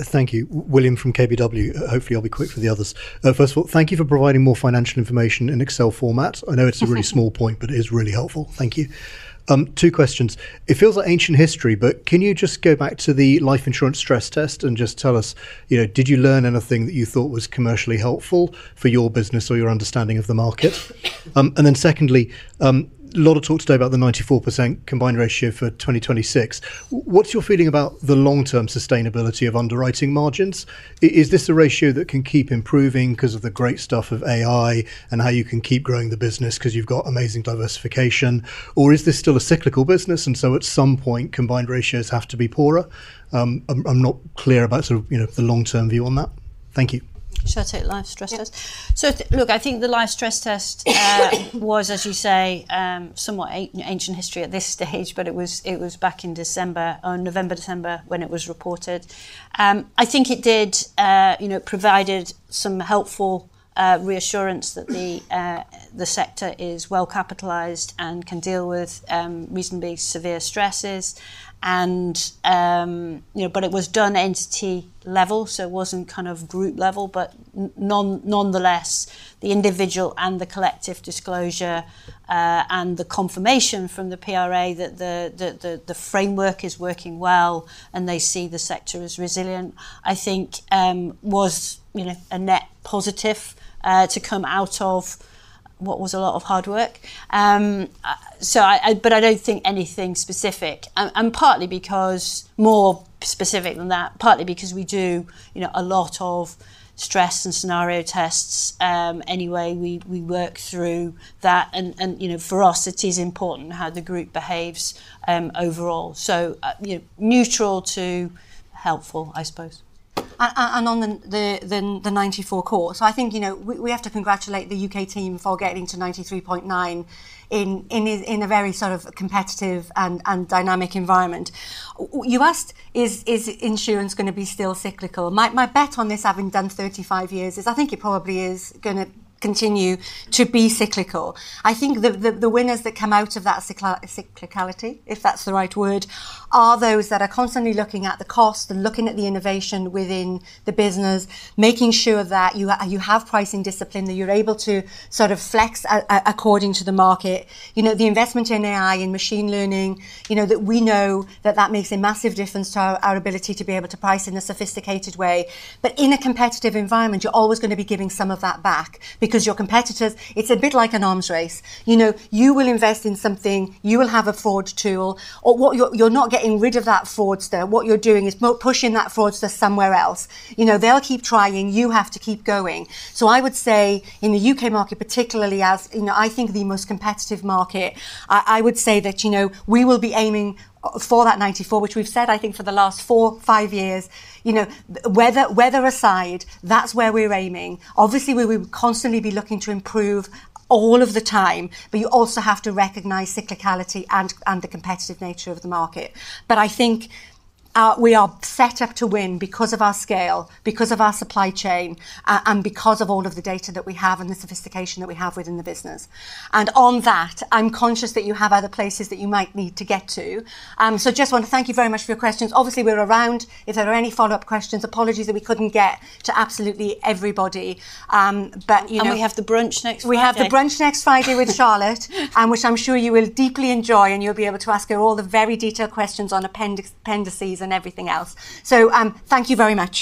Thank you. William from KBW. Hopefully, I'll be quick for the others. First of all, thank you for providing more financial information in Excel format. I know it's a really small point, but it is really helpful. Thank you. Two questions. It feels like ancient history, but can you just go back to the life insurance stress test and just tell us, you know, did you learn anything that you thought was commercially helpful for your business or your understanding of the market? Secondly, a lot of talk today about the 94% combined ratio for 2026. What's your feeling about the long-term sustainability of underwriting margins? Is this a ratio that can keep improving 'cause of the great stuff of AI and how you can keep growing the business 'cause you've got amazing diversification? Is this still a cyclical business, and so at some point, combined ratios have to be poorer? I'm not clear about sort of, you know, the long-term view on that. Thank you. Shall I take life stress test? Yeah. Look, I think the life stress test was, as you say, somewhat ancient history at this stage, but it was back in December, or November, December, when it was reported. I think it did, you know, provided some helpful reassurance that the sector is well capitalized and can deal with reasonably severe stresses. It was done entity level, so it wasn't kind of group level. Nonetheless, the individual and the collective disclosure and the confirmation from the PRA that the framework is working well and they see the sector as resilient, I think, was, you know, a net positive to come out of what was a lot of hard work. I don't think anything specific and partly because more specific than that, partly because we do, you know, a lot of stress and scenario tests. anyway, we work through that and, you know, for us it is important how the group behaves, overall. you know, neutral to helpful, I suppose. On the 94 core. I think, you know, we have to congratulate the U.K. team for getting to 93.9 in a very sort of competitive and dynamic environment. You asked is insurance gonna be still cyclical? My bet on this, having done 35 years, is I think it probably is gonna continue to be cyclical. I think the winners that come out of that cyclicality, if that's the right word, are those that are constantly looking at the cost and looking at the innovation within the business, making sure that you have pricing discipline, that you're able to sort of flex according to the market. You know, the investment in AI and machine learning, you know, that we know that that makes a massive difference to our ability to be able to price in a sophisticated way. In a competitive environment, you're always gonna be giving some of that back because your competitors, it's a bit like an arms race. You know, you will invest in something, you will have a fraud tool or what you're not getting rid of that fraudster. What you're doing is pushing that fraudster somewhere else. You know, they'll keep trying, you have to keep going. I would say in the U.K. market particularly as, you know, I think the most competitive market, I would say that, you know, we will be aiming for that 94, which we've said I think for the last four, five years. You know, weather aside, that's where we're aiming. Obviously, we will constantly be looking to improve all of the time, but you also have to recognize cyclicality and the competitive nature of the market. I think we are set up to win because of our scale, because of our supply chain, and because of all of the data that we have and the sophistication that we have within the business. On that, I'm conscious that you have other places that you might need to get to. Just want to thank you very much for your questions. Obviously, we're around if there are any follow-up questions. Apologies that we couldn't get to absolutely everybody. You know. We have the brunch next Friday. We have the brunch next Friday with Charlotte, which I'm sure you will deeply enjoy, and you'll be able to ask her all the very detailed questions on appendix, appendices and everything else. Thank you very much.